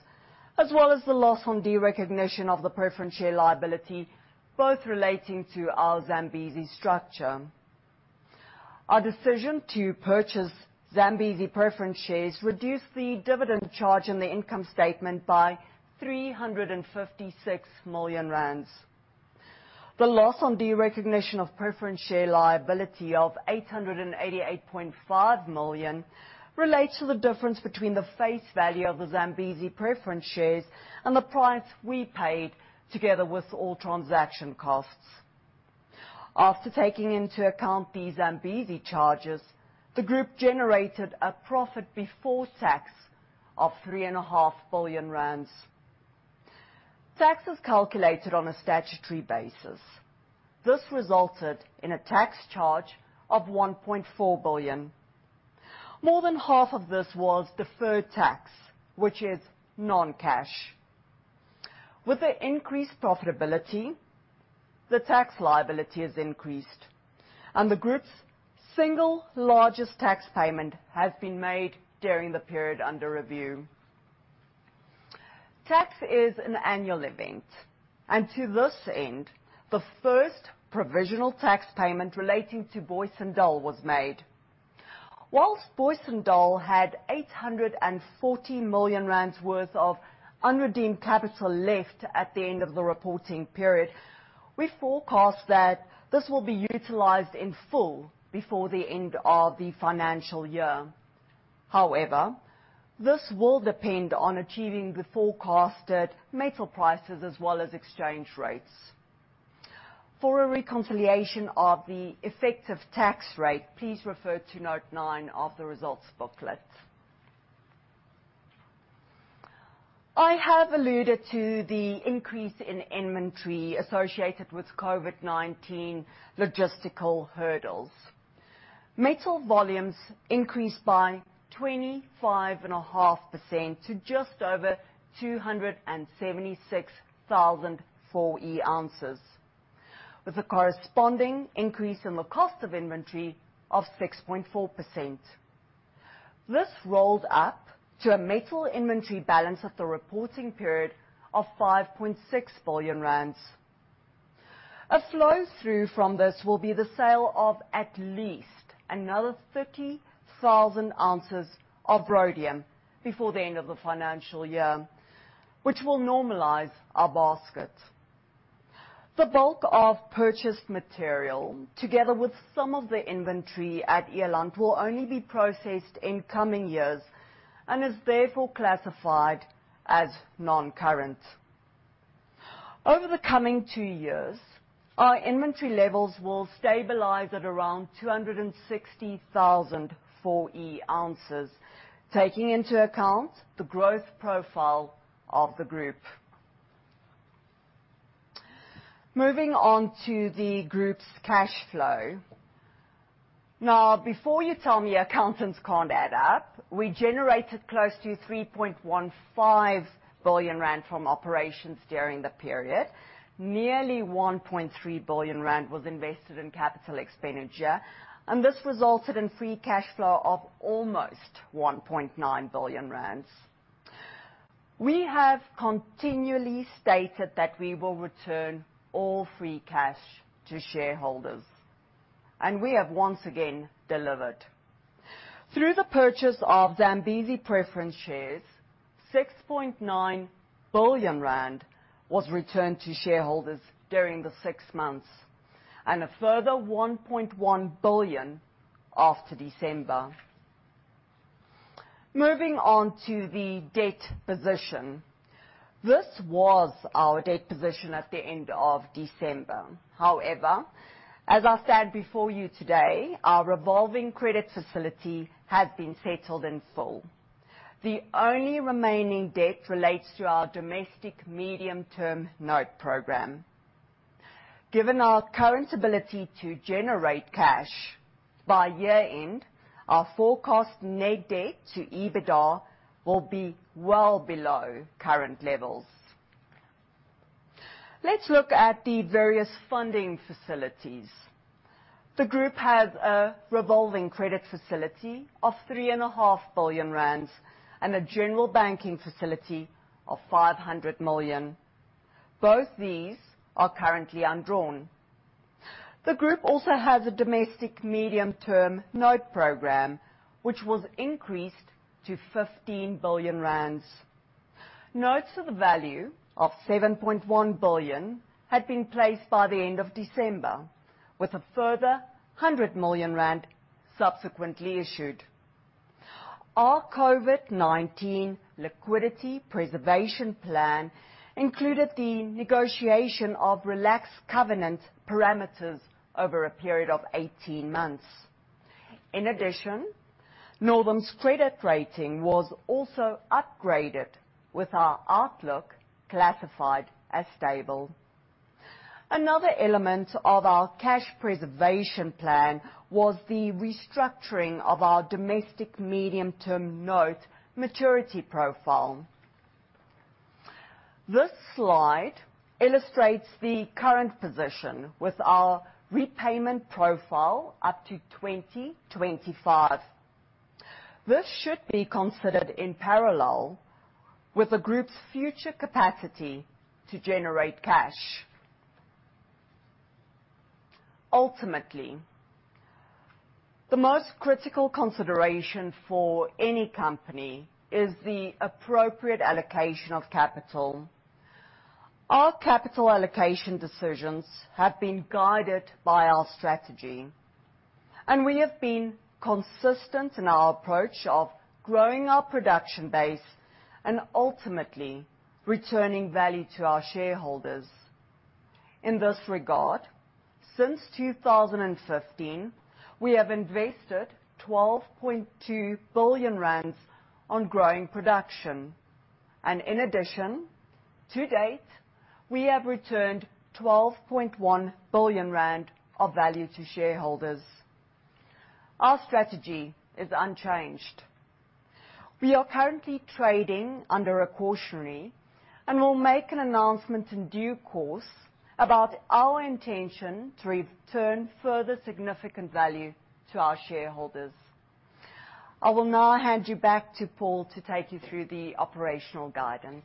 as well as the loss on derecognition of the preference share liability, both relating to our Zambezi structure. Our decision to purchase Zambezi preference shares reduced the dividend charge in the income statement by 356 million rand. The loss on derecognition of preference share liability of 888.5 million relates to the difference between the face value of the Zambezi preference shares and the price we paid together with all transaction costs. After taking into account the Zambezi charges, the group generated a profit before tax of 3.5 billion rand. Tax is calculated on a statutory basis. This resulted in a tax charge of 1.4 billion. More than half of this was deferred tax, which is non-cash. With the increased profitability, the tax liability has increased, and the group's single largest tax payment has been made during the period under review. Tax is an annual event, and to this end, the first provisional tax payment relating to Booysendal was made. Whilst Booysendal had 840 million rand worth of unredeemed capital left at the end of the reporting period, we forecast that this will be utilized in full before the end of the financial year. However, this will depend on achieving the forecasted metal prices as well as exchange rates. For a reconciliation of the effective tax rate, please refer to note nine of the results booklet. I have alluded to the increase in inventory associated with COVID-19 logistical hurdles. Metal volumes increased by 25.5% to just over 276,000 4E ounces, with a corresponding increase in the cost of inventory of 6.4%. This rolled up to a metal inventory balance at the reporting period of 5.6 billion rand. A flow-through from this will be the sale of at least another 30,000 oz of rhodium before the end of the financial year, which will normalize our basket. The bulk of purchased material together with some of the inventory at Eland will only be processed in coming years and is therefore classified as non-current. Over the coming two years, our inventory levels will stabilize at around 260,000 4E ounces, taking into account the growth profile of the group. Moving on to the group's cash flow. Before you tell me accountants can't add up, we generated close to 3.15 billion rand from operations during the period. Nearly 1.3 billion rand was invested in capital expenditure, this resulted in free cash flow of almost 1.9 billion rand. We have continually stated that we will return all free cash to shareholders, we have once again delivered. Through the purchase of Zambezi preference shares, 6.9 billion rand was returned to shareholders during the six months, a further 1.1 billion after December. Moving on to the debt position. This was our debt position at the end of December. However, as I stand before you today, our revolving credit facility has been settled in full. The only remaining debt relates to our domestic medium-term note programme. Given our current ability to generate cash, by year-end, our forecast net debt to EBITDA will be well below current levels. Let's look at the various funding facilities. The group has a revolving credit facility of three 3.5 billion rand and a general banking facility of 500 million. Both these are currently undrawn. The group also has a domestic medium-term note programme, which was increased to 15 billion rand. Notes to the value of 7.1 billion had been placed by the end of December with a further 100 million rand subsequently issued. Our COVID-19 liquidity preservation plan included the negotiation of relaxed covenant parameters over a period of 18 months. In addition, Northam's credit rating was also upgraded with our outlook classified as stable. Another element of our cash preservation plan was the restructuring of our domestic medium-term note maturity profile. This slide illustrates the current position with our repayment profile up to 2025. This should be considered in parallel with the group's future capacity to generate cash. Ultimately, the most critical consideration for any company is the appropriate allocation of capital. Our capital allocation decisions have been guided by our strategy, and we have been consistent in our approach of growing our production base and ultimately returning value to our shareholders. In this regard, since 2015, we have invested 12.2 billion rand on growing production, and in addition, to date, we have returned 12.1 billion rand of value to shareholders. Our strategy is unchanged. We are currently trading under a cautionary and will make an announcement in due course about our intention to return further significant value to our shareholders. I will now hand you back to Paul to take you through the operational guidance.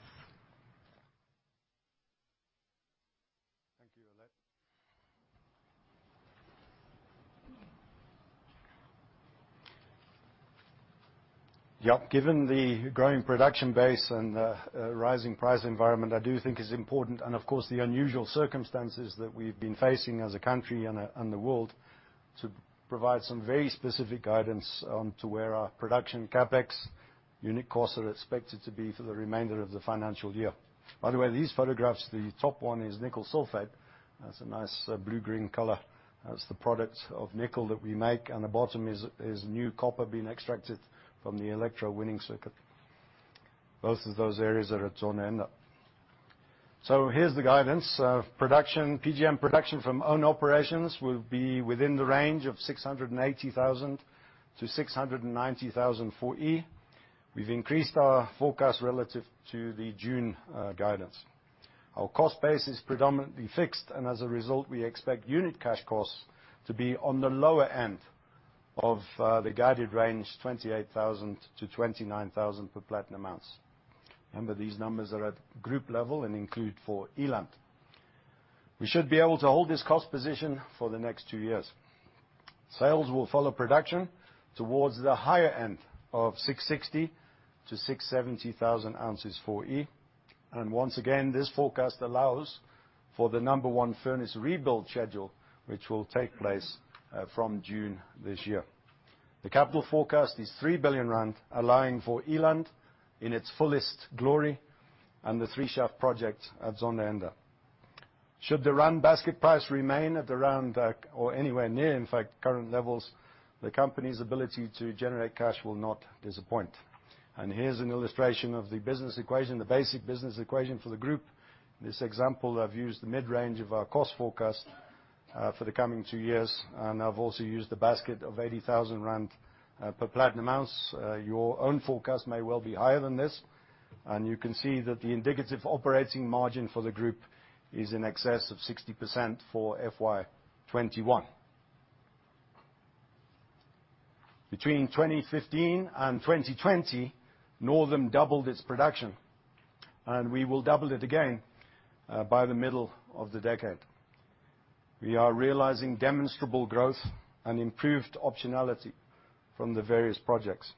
Thank you, Alet. Yep. Given the growing production base and the rising price environment, I do think it's important, and of course, the unusual circumstances that we've been facing as a country and the world, to provide some very specific guidance to where our production CapEx unit costs are expected to be for the remainder of the financial year. By the way, these photographs, the top one is nickel sulfate. That's a nice blue-green color. That's the product of nickel that we make. The bottom is new copper being extracted from the electrowinning circuit. Both of those areas are at Zondereinde. Here's the guidance. Production, PGM production from own operations will be within the range of 680,000-690,000 4E. We've increased our forecast relative to the June guidance. Our cost base is predominantly fixed, as a result, we expect unit cash costs to be on the lower end of the guided range, 28,000-29,000 per platinum ounce. Remember, these numbers are at group level and include for Eland. We should be able to hold this cost position for the next two years. Sales will follow production towards the higher end of 660,000 oz-670,000 oz for 4E. Once again, this forecast allows for the number one furnace rebuild schedule, which will take place from June this year. The capital forecast is 3 billion rand, allowing for Eland in its fullest glory and the 3 Shaft project at Zondereinde. Should the ZAR basket price remain at around, or anywhere near, in fact, current levels, the company's ability to generate cash will not disappoint. Here's an illustration of the business equation, the basic business equation for the group. In this example, I've used the mid-range of our cost forecast for the coming two years, and I've also used the basket of 80,000 rand per platinum ounce. Your own forecast may well be higher than this. You can see that the indicative operating margin for the group is in excess of 60% for FY 2021. Between 2015 and 2020, Northam doubled its production, and we will double it again by the middle of the decade. We are realizing demonstrable growth and improved optionality from the various projects.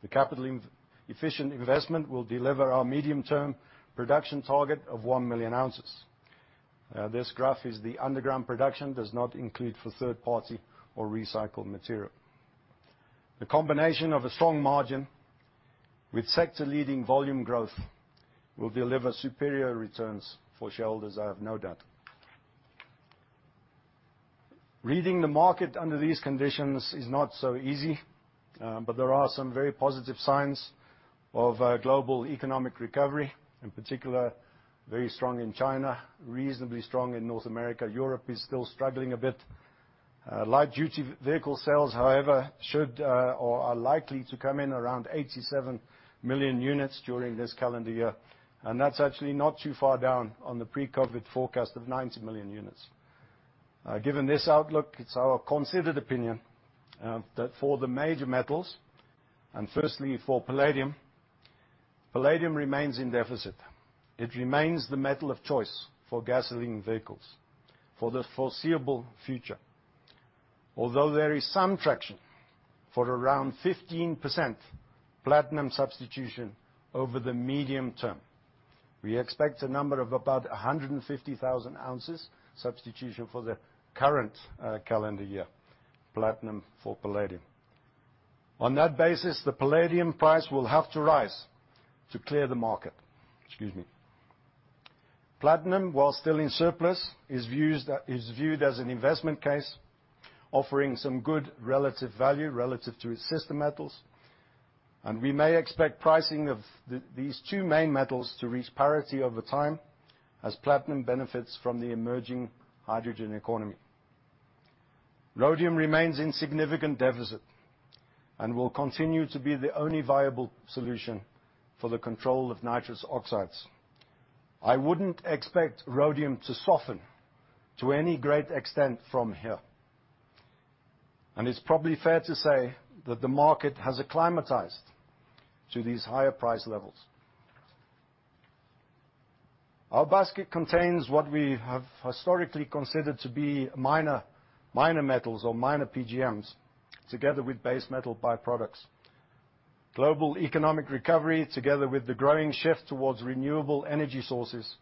The capital-efficient investment will deliver our medium-term production target of 1 million ounces. This graph is the underground production, does not include for third party or recycled material. The combination of a strong margin with sector-leading volume growth will deliver superior returns for shareholders, I have no doubt. Reading the market under these conditions is not so easy, but there are some very positive signs of global economic recovery, in particular, very strong in China, reasonably strong in North America. Europe is still struggling a bit. Light duty vehicle sales, however, should or are likely to come in around 87 million units during this calendar year, and that's actually not too far down on the pre-COVID forecast of 90 million units. Given this outlook, it's our considered opinion that for the major metals, and firstly for palladium remains in deficit. It remains the metal of choice for gasoline vehicles for the foreseeable future. Although there is some traction for around 15% platinum substitution over the medium term. We expect a number of about 150,000 oz substitution for the current calendar year, platinum for palladium. On that basis, the palladium price will have to rise to clear the market. Excuse me. Platinum, while still in surplus, is viewed as an investment case, offering some good relative value relative to its sister metals. We may expect pricing of these two main metals to reach parity over time as platinum benefits from the emerging hydrogen economy. Rhodium remains in significant deficit and will continue to be the only viable solution for the control of nitrous oxides. I wouldn't expect rhodium to soften to any great extent from here, and it's probably fair to say that the market has acclimatized to these higher price levels. Our basket contains what we have historically considered to be minor metals or minor PGMs, together with base metal by-products. Global economic recovery, together with the growing shift towards renewable energy sources,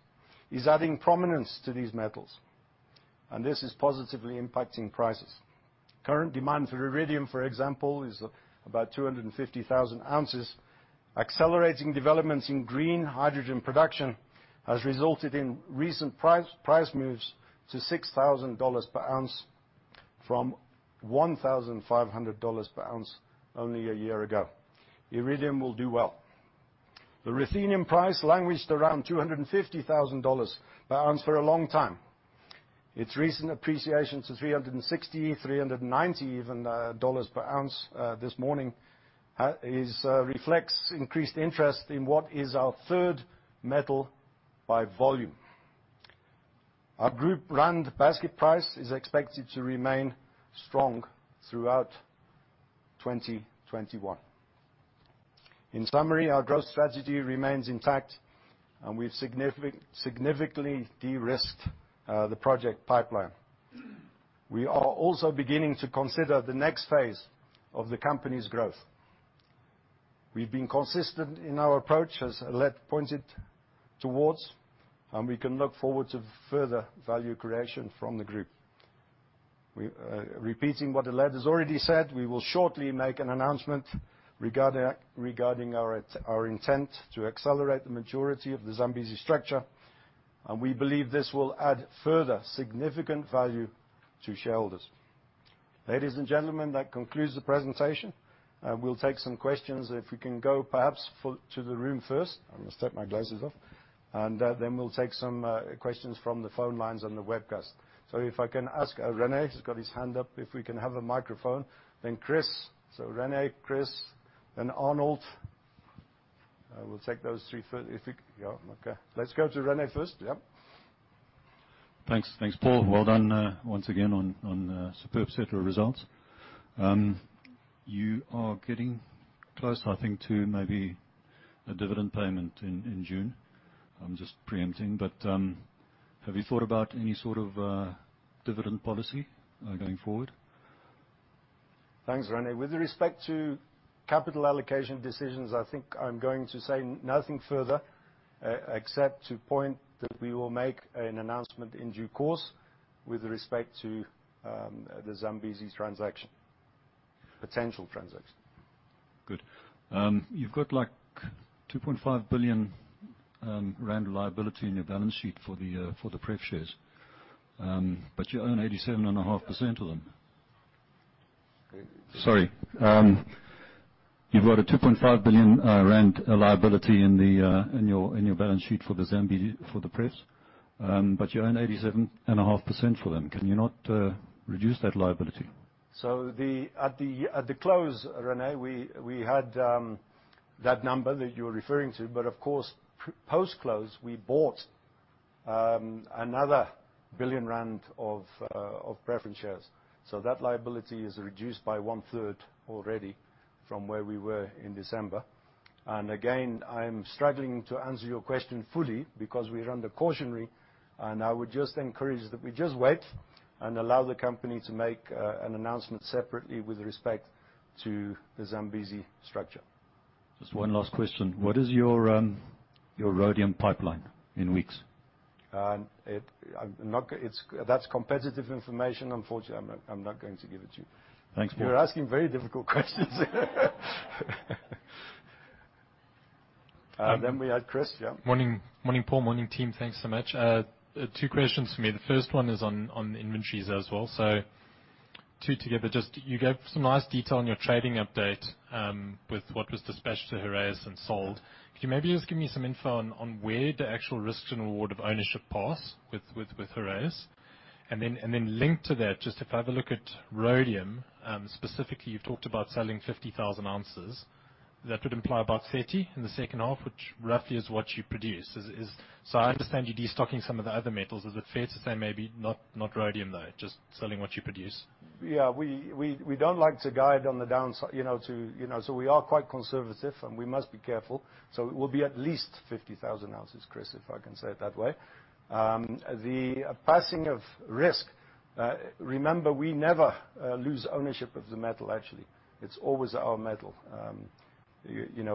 is adding prominence to these metals, and this is positively impacting prices. Current demand for iridium, for example, is about 250,000 oz. Accelerating developments in green hydrogen production has resulted in recent price moves to $6,000 per ounce from $1,500 per ounce only a year ago. Iridium will do well. The ruthenium price languished around $250,000 per ounce for a long time. Its recent appreciation to $360,000, $390,000 even, per ounce this morning, reflects increased interest in what is our third metal by volume. Our group rand basket price is expected to remain strong throughout 2021. In summary, our growth strategy remains intact, and we've significantly de-risked the project pipeline. We are also beginning to consider the next phase of the company's growth. We've been consistent in our approach, as Alet pointed towards, and we can look forward to further value creation from the group. Repeating what Alet has already said, we will shortly make an announcement regarding our intent to accelerate the maturity of the Zambezi structure, and we believe this will add further significant value to shareholders. Ladies and gentlemen, that concludes the presentation. We'll take some questions. If we can go perhaps to the room first. I'm going to take my glasses off, and then we'll take some questions from the phone lines on the webcast. If I can ask Rene, he's got his hand up, if we can have a microphone, then Chris. Rene, Chris, and Arnold. We'll take those three first. If we Yeah. Okay. Let's go to Rene first. Yep. Thanks. Thanks, Paul. Well done, once again, on a superb set of results. You are getting close, I think, to maybe a dividend payment in June. I'm just preempting. Have you thought about any sort of dividend policy going forward? Thanks, Rene. With respect to capital allocation decisions, I think I'm going to say nothing further, except to point that we will make an announcement in due course with respect to the Zambezi transaction, potential transaction. Good. You've got a 2.5 billion rand liability in your balance sheet for the Zambezi Platinum, for the pref's. You own 87.5% for them. Can you not reduce that liability? At the close, Rene, we had that number that you're referring to, but of course, post-close, we bought another 1 billion rand of preference shares. That liability is reduced by one-third already from where we were in December. Again, I'm struggling to answer your question fully because we're under cautionary, and I would just encourage that we just wait and allow the company to make an announcement separately with respect to the Zambezi structure. Just one last question. What is your rhodium pipeline in weeks? That's competitive information, unfortunately. I'm not going to give it to you. Thanks, Paul. You're asking very difficult questions. We had Chris. Yeah. Morning, Paul. Morning, team. Thanks so much. Two questions for me. The first one is on the inventories as well. Two together, just you gave some nice detail on your trading update, with what was dispatched to Heraeus and sold. Could you maybe just give me some info on where the actual risk and reward of ownership pass with Heraeus? Linked to that, just if I have a look at rhodium, specifically, you've talked about selling 50,000 oz. That would imply about 30,000 oz in the second half, which roughly is what you produce. I understand you're destocking some of the other metals. Is it fair to say maybe not rhodium, though, just selling what you produce? We don't like to guide on the downside, we are quite conservative, and we must be careful. It will be at least 50,000 oz, Chris, if I can say it that way. The passing of risk, remember, we never lose ownership of the metal, actually. It's always our metal.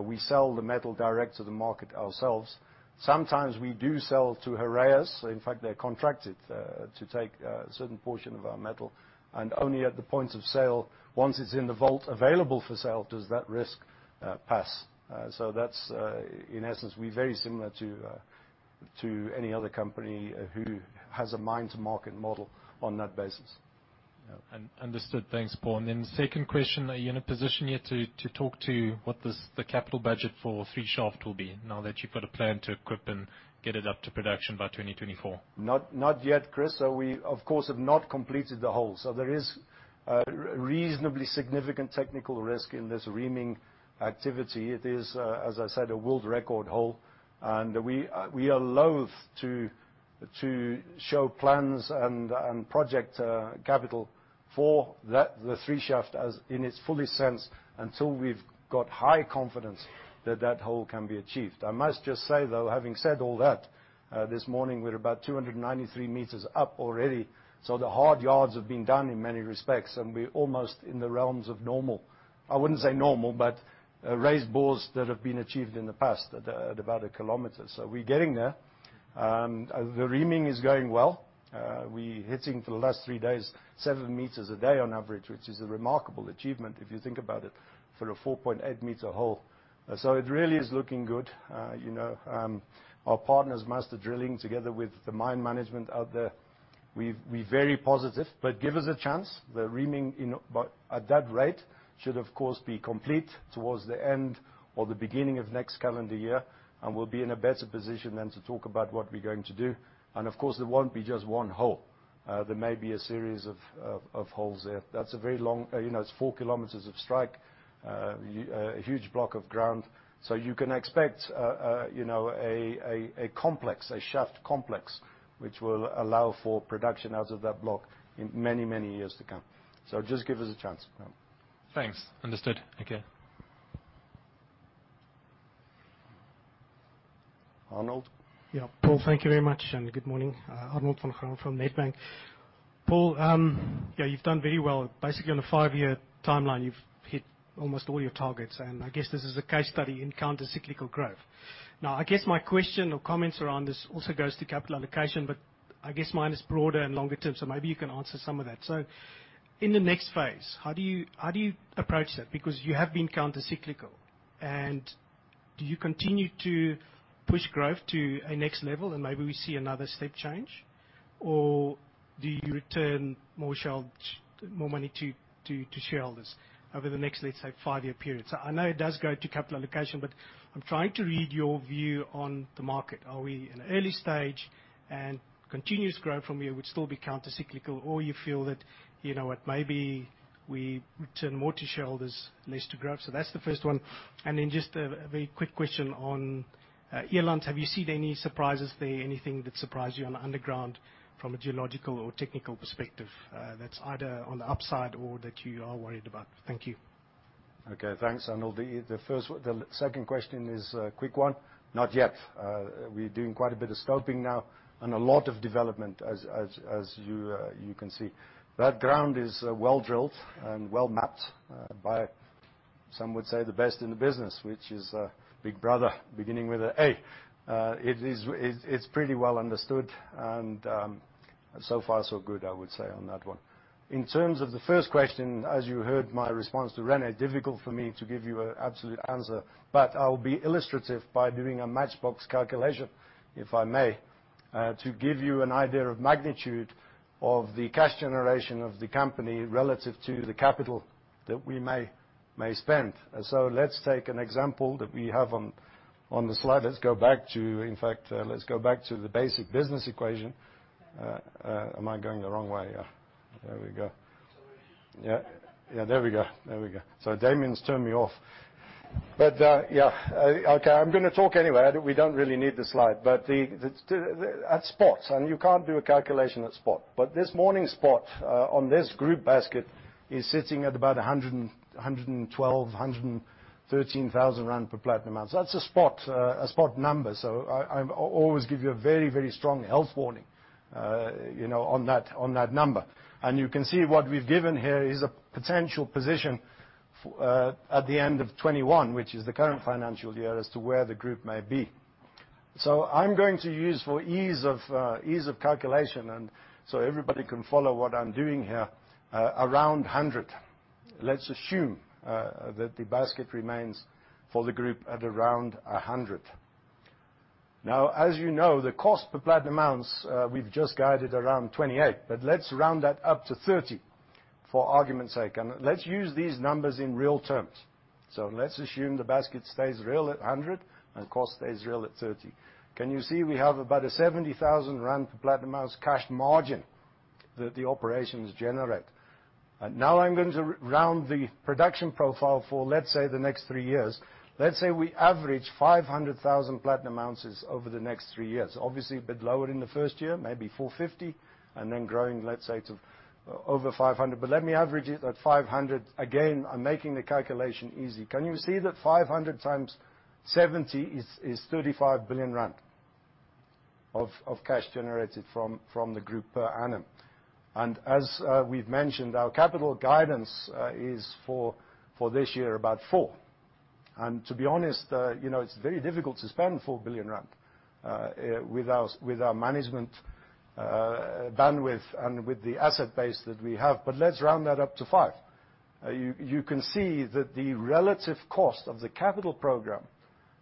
We sell the metal direct to the market ourselves. Sometimes we do sell to Heraeus. In fact, they're contracted to take a certain portion of our metal, and only at the point of sale, once it's in the vault available for sale, does that risk pass. That's, in essence, we're very similar to any other company who has a mine-to-market model on that basis. Understood. Thanks, Paul. Second question, are you in a position yet to talk to what the capital budget for 3 Shaft will be now that you've got a plan to equip and get it up to production by 2024? Not yet, Chris. We, of course, have not completed the hole. There is a reasonably significant technical risk in this reaming activity. It is, as I said, a world record hole, and we are loathe to show plans and project capital for the 3 Shaft as in its fullest sense, until we've got high confidence that that hole can be achieved. I must just say, though, having said all that, this morning we're about 293 m up already. The hard yards have been done in many respects, and we're almost in the realms of normal, I wouldn't say normal, but raise bores that have been achieved in the past at about a kilometer. We're getting there. The reaming is going well. We hitting for the last three days, 7 m a day on average, which is a remarkable achievement if you think about it, for a 4.8-meter hole. It really is looking good. Our partners, Master Drilling, together with the mine management out there, we're very positive, but give us a chance. The reaming at that rate should of course be complete towards the end or the beginning of next calendar year, and we'll be in a better position then to talk about what we're going to do. Of course, there won't be just one hole. There may be a series of holes there. It's 4 km of strike, a huge block of ground. You can expect a complex, a shaft complex, which will allow for production out of that block in many years to come. Just give us a chance. Thanks. Understood. Okay. Arnold. Yeah. Paul, thank you very much and good morning. Arnold van Graan from Nedbank. Paul, yeah, you've done very well. Basically, on a five-year timeline, you've hit almost all your targets, and I guess this is a case study in counter-cyclical growth. I guess my question or comments around this also goes to capital allocation, but I guess mine is broader and longer-term, so maybe you can answer some of that. In the next phase, how do you approach that? Because you have been counter-cyclical, and do you continue to push growth to a next level and maybe we see another step change? Or do you return more money to shareholders over the next, let's say, five-year period? I know it does go to capital allocation, but I'm trying to read your view on the market. Are we in an early stage and continuous growth from here would still be counter-cyclical, or you feel that maybe we return more to shareholders, less to growth? That's the first one. Then just a very quick question on Eland. Have you seen any surprises there? Anything that surprised you on the underground from a geological or technical perspective, that's either on the upside or that you are worried about? Thank you. Okay. Thanks, Arnold. The second question is a quick one. Not yet. We are doing quite a bit of scoping now and a lot of development as you can see. That ground is well-drilled and well-mapped by, some would say the best in the business, which is big brother beginning with an A. It is pretty well understood and so far so good, I would say on that one. In terms of the first question, as you heard my response to Rene, difficult for me to give you an absolute answer, but I will be illustrative by doing a matchbox calculation, if I may, to give you an idea of magnitude of the cash generation of the company relative to the capital that we may spend. Let's take an example that we have on the slide. Let's go back to the basic business equation. Am I going the wrong way? Yeah. There we go. Sorry. Yeah. There we go. Damian's turned me off. Yeah. Okay, I'm going to talk anyway. We don't really need the slide. At spot, and you can't do a calculation at spot, but this morning spot, on this group basket, is sitting at about 112,000, 113,000 rand per platinum ounce. That's a spot number. I always give you a very strong health warning on that number. You can see what we've given here is a potential position at the end of 2021, which is the current financial year, as to where the group may be. I'm going to use, for ease of calculation and so everybody can follow what I'm doing here, around 100. Let's assume that the basket remains for the group at around 100. As you know, the cost per platinum ounce, we've just guided around 28, but let's round that up to 30 for argument's sake. Let's use these numbers in real terms. Let's assume the basket stays real at 100 and cost stays real at 30. Can you see, we have about a 70,000 rand per platinum ounce cash margin that the operations generate? Now I'm going to round the production profile for, let's say, the next three years. Let's say we average 500,000 platinum ounces over the next three years. Obviously, a bit lower in the first year, maybe 450, and then growing, let's say, to over 500. Let me average it at 500. Again, I'm making the calculation easy. Can you see that 500x 70 is 35 billion rand of cash generated from the group per annum? As we've mentioned, our capital guidance is for this year, about 4 billion. To be honest, it's very difficult to spend 4 billion rand with our management bandwidth and with the asset base that we have. Let's round that up to 5 billion. You can see that the relative cost of the capital program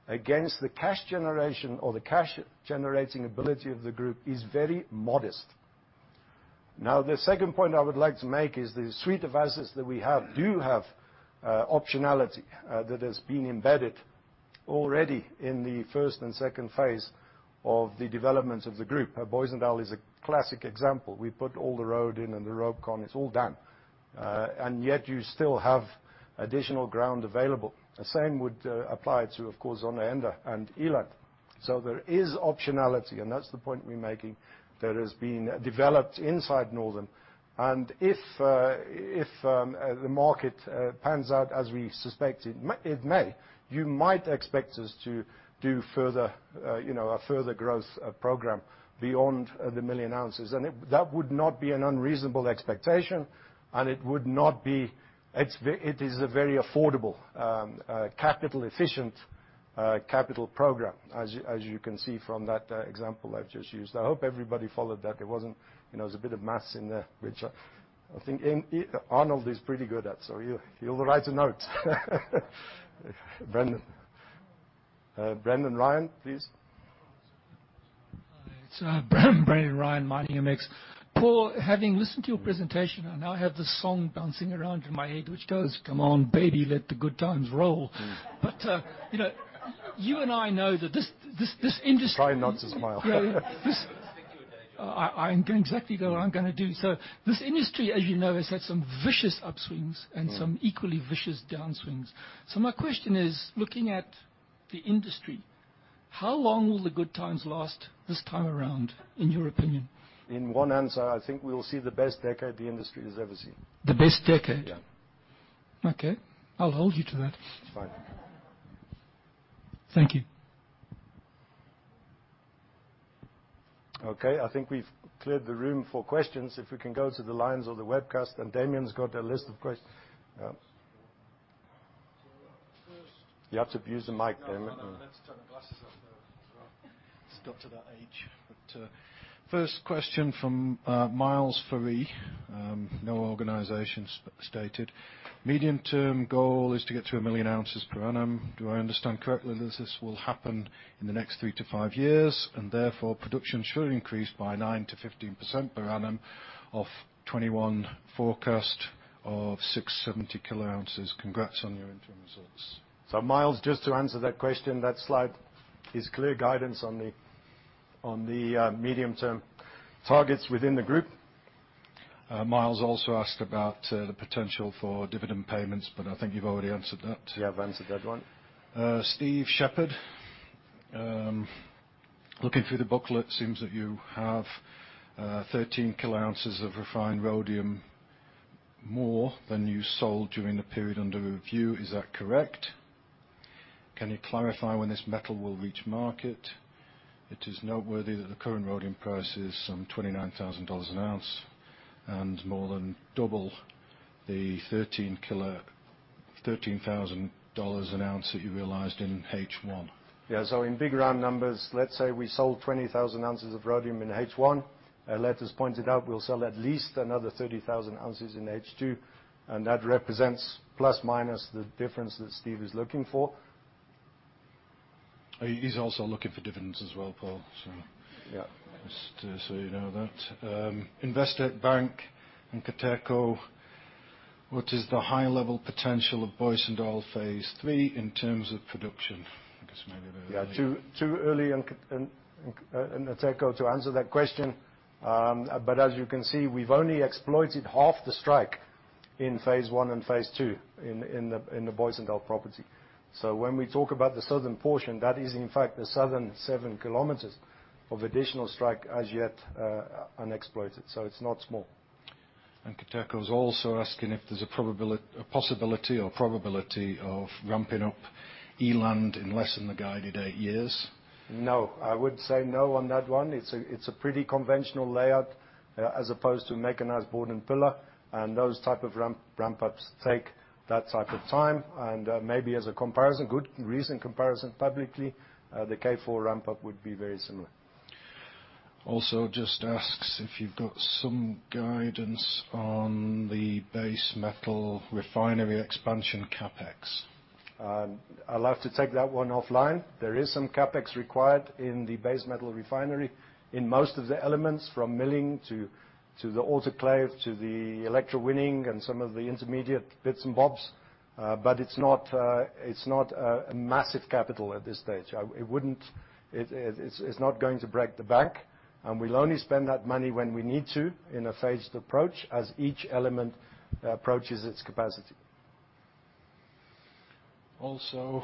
against the cash generation or the cash-generating ability of the group is very modest. The second point I would like to make is the suite of assets that we have do have optionality that has been embedded already in the first and second phase of the development of the group. Booysendal is a classic example. We put all the road in and the RopeCon, it's all done. Yet you still have additional ground available. The same would apply to, of course, Zondereinde and Eland. There is optionality, and that's the point we're making, that has been developed inside Northam. If the market pans out as we suspect it may, you might expect us to do a further growth program beyond the million ounces. That would not be an unreasonable expectation, and it is a very affordable, capital-efficient, capital program, as you can see from that example I've just used. I hope everybody followed that. There was a bit of maths in there, which I think Arnold is pretty good at, so he'll write a note. Brendan. Brendan Ryan, please. Hi, it's Brendan Ryan, Miningmx. Paul, having listened to your presentation, I now have this song bouncing around in my head which goes, "Come on, baby, let the good times roll." You and I know that this industry- Try not to smile. Yeah. I know exactly what I'm going to do. This industry, as you know, has had some vicious upswings and some equally vicious downswings. My question is, looking at the industry, how long will the good times last this time around, in your opinion? In one answer, I think we will see the best decade the industry has ever seen. The best decade? Yeah. Okay. I'll hold you to that. Fine. Thank you. Okay, I think we've cleared the room for questions. If we can go to the lines or the webcast, Damian's got a list of questions. You have to use the mic, Damian. I know. I had to turn the glasses up as well. It's got to that age. First question from Miles Farey, no organization stated. Medium-term goal is to get to 1 million ounces per annum. Do I understand correctly that this will happen in the next three to five years, and therefore production should increase by 9%-15% per annum of 2021 forecast of 670 koz? Congrats on your interim results. Miles, just to answer that question, that slide is clear guidance on the medium-term targets within the group. Miles also asked about the potential for dividend payments, but I think you've already answered that. Yeah, I've answered that one. Steve Shepherd. Looking through the booklet, seems that you have 13 koz of refined rhodium, more than you sold during the period under review. Is that correct? Can you clarify when this metal will reach market? It is noteworthy that the current rhodium price is some $29,000 an ounce, and more than double the $13,000 an ounce that you realized in H1. Yeah, in big, round numbers, let's say we sold 20,000 oz of rhodium in H1. Let us point it out, we'll sell at least another 30,000 oz in H2, that represents plus minus the difference that Steve is looking for. He's also looking for dividends as well, Paul. Yeah. Just so you know that. Investec Bank and Nkateko, what is the high-level potential of Booysendal phase 3 in terms of production? Yeah, too early in Nkateko to answer that question. As you can see, we've only exploited half the strike in phase 1 and phase 2 in the Booysendal property. When we talk about the southern portion, that is in fact the southern 7 km of additional strike as yet unexploited. It's not small. Nkateko's also asking if there's a possibility or probability of ramping up Eland in less than the guided eight years. No. I would say no on that one. It's a pretty conventional layout, as opposed to mechanized bord and pillar, and those type of ramp-ups take that type of time. Maybe as a comparison, good recent comparison publicly, the K4 ramp-up would be very similar. Also just asks if you've got some guidance on the base metal refinery expansion CapEx. I'll have to take that one offline. There is some CapEx required in the base metal refinery in most of the elements, from milling, to the autoclave, to the electrowinning, and some of the intermediate bits and bobs. It's not a massive capital at this stage. It's not going to break the bank, and we'll only spend that money when we need to in a phased approach as each element approaches its capacity. Your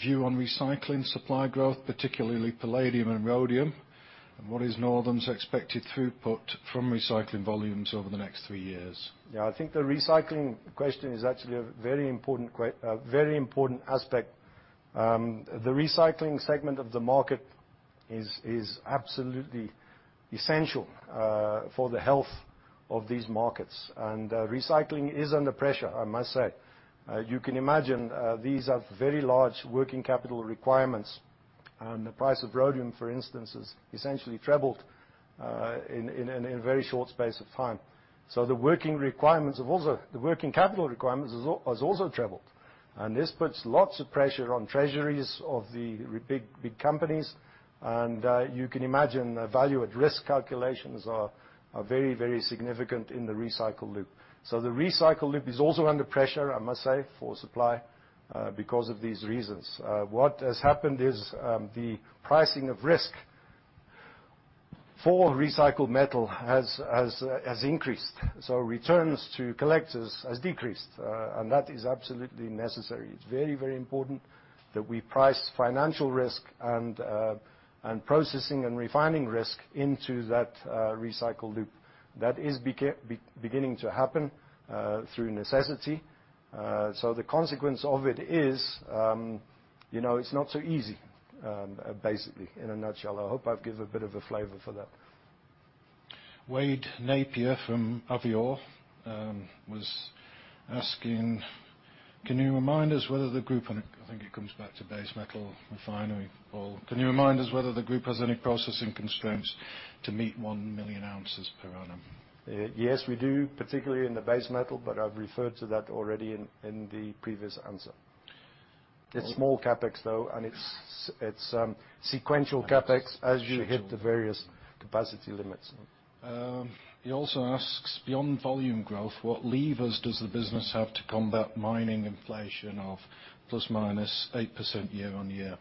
view on recycling supply growth, particularly palladium and rhodium, and what is Northam's expected throughput from recycling volumes over the next three years? Yeah, I think the recycling question is actually a very important aspect. The recycling segment of the market is absolutely essential for the health of these markets. Recycling is under pressure, I must say. You can imagine, these are very large working capital requirements. The price of rhodium, for instance, has essentially trebled in a very short space of time. The working capital requirements has also trebled. This puts lots of pressure on treasuries of the big companies. You can imagine the value at risk calculations are very significant in the recycle loop. The recycle loop is also under pressure, I must say, for supply because of these reasons. What has happened is the pricing of risk for recycled metal has increased. Returns to collectors has decreased. That is absolutely necessary. It's very important that we price financial risk and processing and refining risk into that recycle loop. That is beginning to happen through necessity. The consequence of it is, it's not so easy, basically, in a nutshell. I hope I've given a bit of a flavor for that. Wade Napier from Avior was asking, can you remind us whether the group, and I think it comes back to base metal refinery, Paul. Can you remind us whether the group has any processing constraints to meet 1 million ounces per annum? Yes, we do, particularly in the base metal, but I've referred to that already in the previous answer. It's small CapEx, though, and it's sequential CapEx as you hit the various capacity limits. He also asks, beyond volume growth, what levers does the business have to combat mining inflation of ±8% year-on-year?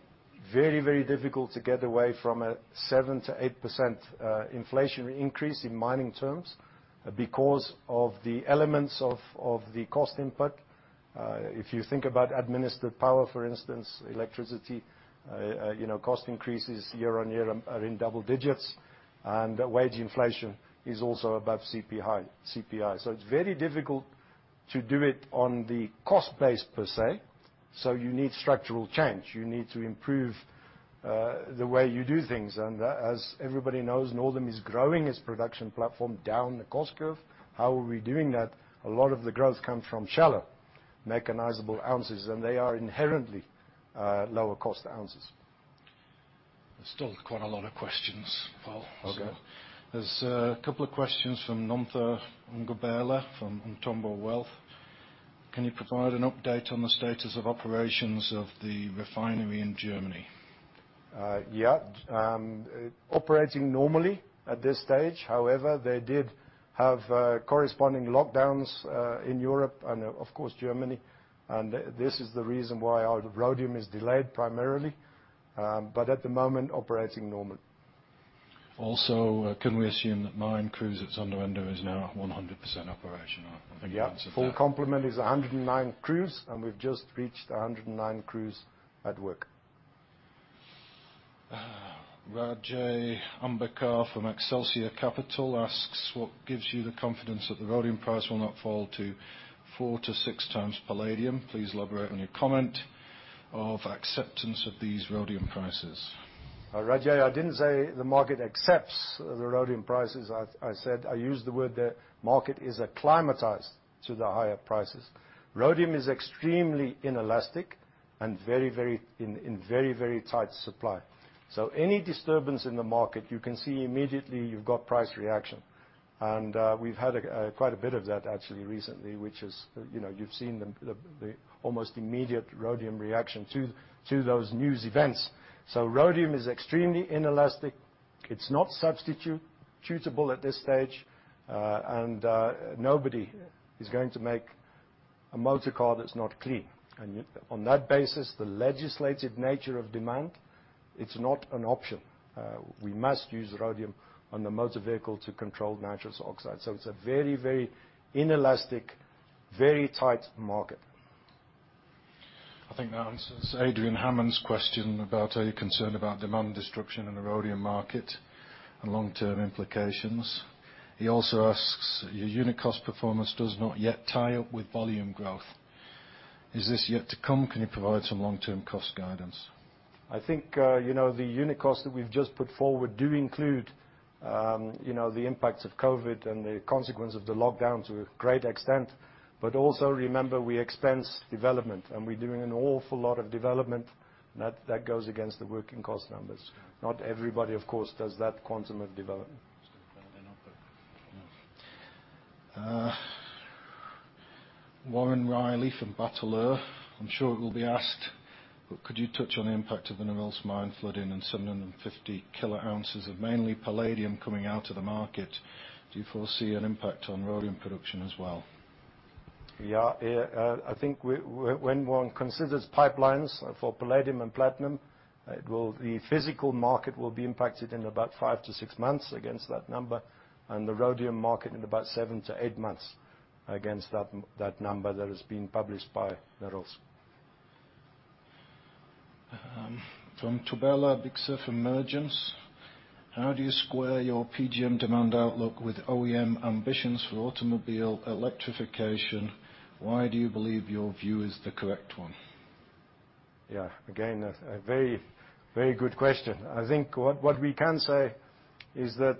Very difficult to get away from a 7%-8% inflation increase in mining terms because of the elements of the cost input. If you think about administered power, for instance, electricity, cost increases year-on-year are in double digits. Wage inflation is also above CPI. It's very difficult to do it on the cost base per se, so you need structural change. You need to improve the way you do things. As everybody knows, Northam is growing its production platform down the cost curve. How are we doing that? A lot of the growth comes from shallow, mechanizable ounces, and they are inherently lower cost ounces. There's still quite a lot of questions, Paul. Okay. There's a couple of questions from Nomtha Ngumbela from Umthombo Wealth. Can you provide an update on the status of operations of the refinery in Germany? Yeah. Operating normally at this stage. They did have corresponding lockdowns in Europe and, of course, Germany. This is the reason why our rhodium is delayed primarily. At the moment, operating normally. Can we assume that mine crews at Zondereinde are now 100% operational? I think you answered that. Yeah. Full complement is 109 crews, and we've just reached 109 crews at work. Rajay Ambekar from Excelsia Capital asks, "What gives you the confidence that the rhodium price will not fall to four to six times palladium? Please elaborate on your comment of acceptance of these rhodium prices. Rajay, I didn't say the market accepts the rhodium prices. I used the word the market is acclimatized to the higher prices. Rhodium is extremely inelastic and in very tight supply. Any disturbance in the market, you can see immediately you've got price reaction. We've had quite a bit of that actually recently, which you've seen the almost immediate rhodium reaction to those news events. Rhodium is extremely inelastic. It's not substitutable at this stage. Nobody is going to make a motorcar that's not clean. On that basis, the legislative nature of demand, it's not an option. We must use rhodium on the motor vehicle to control nitrous oxide. It's a very inelastic, very tight market. I think that answers Adrian Hammond's question about are you concerned about demand destruction in the rhodium market and long-term implications. He also asks, your unit cost performance does not yet tie up with volume growth. Is this yet to come? Can you provide some long-term cost guidance? I think the unit costs that we've just put forward do include the impacts of COVID and the consequence of the lockdown to a great extent. Also remember, we expense development, and we're doing an awful lot of development that goes against the working cost numbers. Not everybody, of course, does that quantum of development. Still building up. Fair enough. Warren Riley from Bateleur. I'm sure it will be asked, but could you touch on the impact of the Norilsk mine flooding and 750 koz of mainly palladium coming out of the market? Do you foresee an impact on rhodium production as well? Yeah. I think when one considers pipelines for palladium and platinum, the physical market will be impacted in about five to six months against that number, and the rhodium market in about seven to eight months against that number that has been published by Norilsk. From Thobela Bixa from Mergence. How do you square your PGM demand outlook with OEM ambitions for automobile electrification? Why do you believe your view is the correct one? Again, a very good question. I think what we can say is that,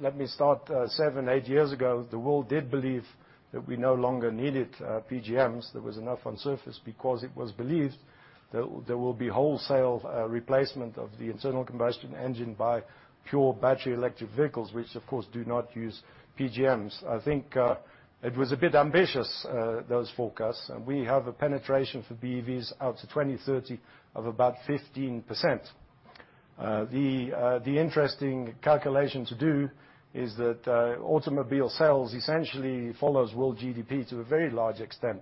let me start, seven, eight years ago, the world did believe that we no longer needed PGMs. There was enough on surface because it was believed there will be wholesale replacement of the internal combustion engine by pure battery electric vehicles, which of course, do not use PGMs. I think it was a bit ambitious, those forecasts. We have a penetration for BEVs out to 2030 of about 15%. The interesting calculation to do is that automobile sales essentially follows world GDP to a very large extent.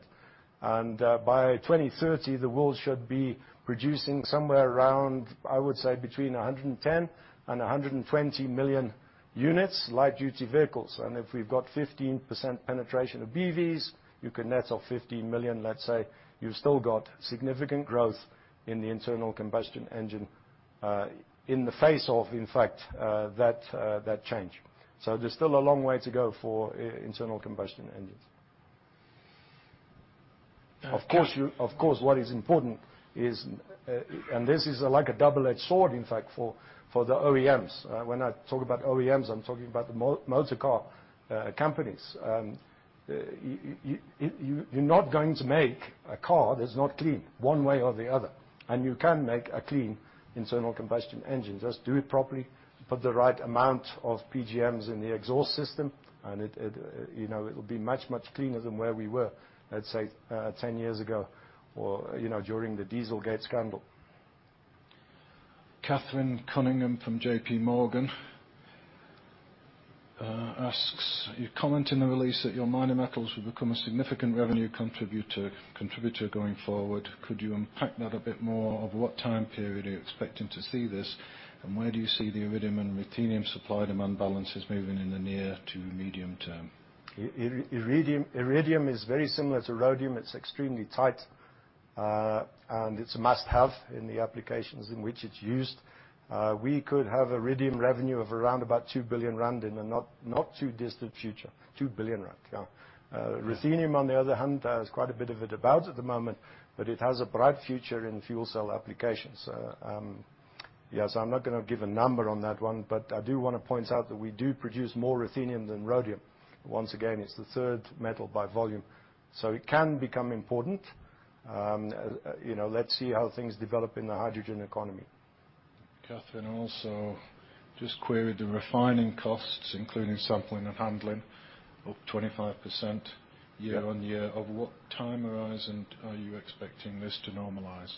By 2030, the world should be producing somewhere around, I would say, between 110 million and 120 million units, light duty vehicles. If we've got 15% penetration of BEVs, you can net off 15 million, let's say. You've still got significant growth in the internal combustion engine in the face of, in fact, that change. There's still a long way to go for internal combustion engines. Of course, what is important is, this is like a double-edged sword in fact for the OEMs. When I talk about OEMs, I'm talking about the motorcar companies. You're not going to make a car that's not clean, one way or the other. You can make a clean internal combustion engine, just do it properly, put the right amount of PGMs in the exhaust system, and it'll be much cleaner than where we were, let's say, 10 years ago or during the Dieselgate scandal. Catherine Cunningham from JPMorgan asks, you comment in the release that your minor metals will become a significant revenue contributor going forward. Could you unpack that a bit more of what time period are you expecting to see this? Where do you see the iridium and ruthenium supply-demand balance is moving in the near to medium term? Iridium is very similar to rhodium. It's extremely tight. It's a must-have in the applications in which it's used. We could have iridium revenue of around about 2 billion rand in the not too distant future. 2 billion rand, yeah. Ruthenium, on the other hand, there is quite a bit of it about at the moment, but it has a bright future in fuel cell applications. I'm not going to give a number on that one, but I do want to point out that we do produce more ruthenium than rhodium. Once again, it's the third metal by volume, it can become important. Let's see how things develop in the hydrogen economy. Catherine also just queried the refining costs, including sampling and handling, up 25% year-on-year. Of what time horizon are you expecting this to normalize?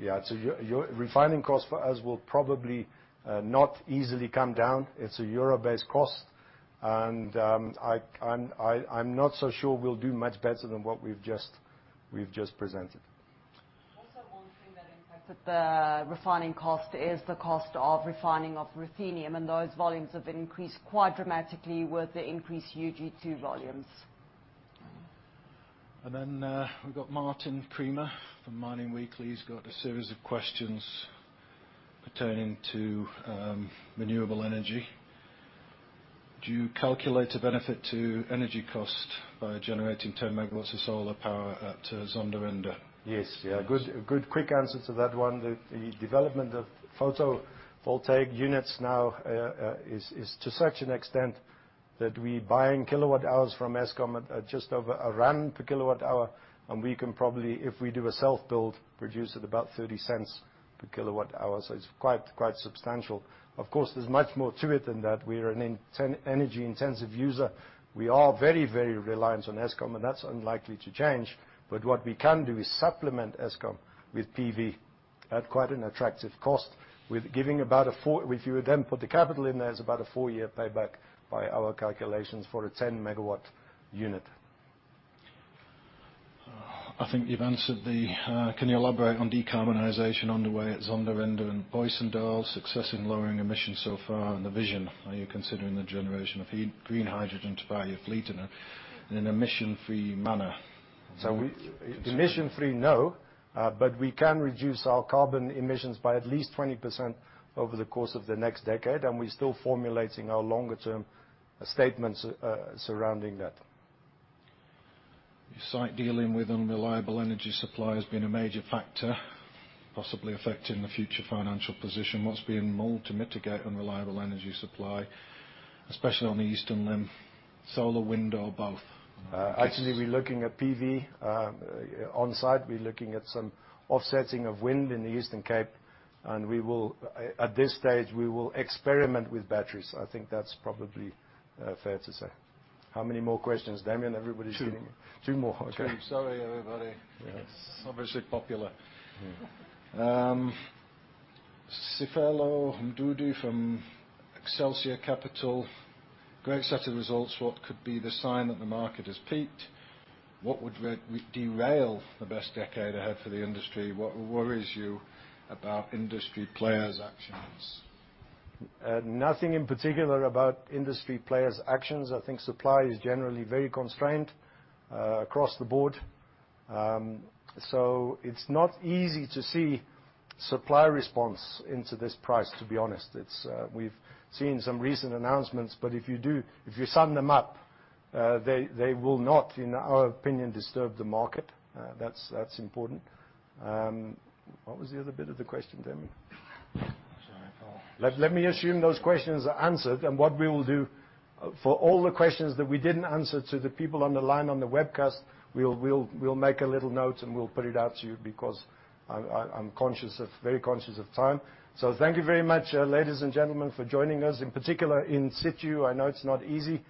Your refining costs for us will probably not easily come down. It's a euro-based cost, and I'm not so sure we'll do much better than what we've just presented. One thing that impacted the refining cost is the cost of refining of ruthenium, and those volumes have increased quite dramatically with the increased UG2 volumes. We've got Martin Creamer from Mining Weekly. He's got a series of questions pertaining to renewable energy. Do you calculate a benefit to energy cost by generating 10 MW of solar power at Zondereinde? Yes. A good, quick answer to that one. The development of photovoltaic units now is to such an extent that we buying kilowatt hours from Eskom at just over ZAR 1 per kilowatt hour, and we can probably, if we do a self-build, produce at about 0.30 per kilowatt hour. It's quite substantial. Of course, there's much more to it than that. We are an energy-intensive user. We are very, very reliant on Eskom, and that's unlikely to change. What we can do is supplement Eskom with PV at quite an attractive cost. If you would then put the capital in there, it's about a four-year payback by our calculations for a 10-megawatt unit. Can you elaborate on decarbonization underway at Zondereinde and Booysendal, success in lowering emissions so far and the vision? Are you considering the generation of green hydrogen to power your fleet in an emission-free manner? Emission free, no. We can reduce our carbon emissions by at least 20% over the course of the next decade, and we're still formulating our longer-term statements surrounding that. You cite dealing with unreliable energy supply has been a major factor, possibly affecting the future financial position. What's being done to mitigate unreliable energy supply, especially on the Eastern Limb, solar, wind, or both? Actually, we're looking at PV on-site. We're looking at some offsetting of wind in the Eastern Cape, and at this stage, we will experiment with batteries. I think that's probably fair to say. How many more questions, Damian? Two. Two more. Okay. Two. Sorry, everybody. Yes. Obviously popular. Yeah. Siphelele Mdudu from Excelsia Capital. Great set of results. What could be the sign that the market has peaked? What would derail the best decade ahead for the industry? What worries you about industry players' actions? Nothing in particular about industry players' actions. I think supply is generally very constrained across the board. It's not easy to see supply response into this price, to be honest. We've seen some recent announcements, but if you sum them up, they will not, in our opinion, disturb the market. That's important. What was the other bit of the question, Damian? Sorry. Let me assume those questions are answered, and what we will do for all the questions that we didn't answer to the people on the line on the webcast, we'll make a little note and we'll put it out to you because I'm very conscious of time. Thank you very much, ladies and gentlemen, for joining us. In particular, in situ, I know it's not easy,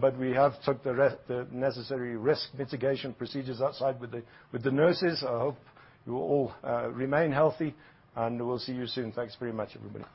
but we have took the necessary risk mitigation procedures outside with the nurses. I hope you will all remain healthy, and we'll see you soon. Thanks very much, everybody.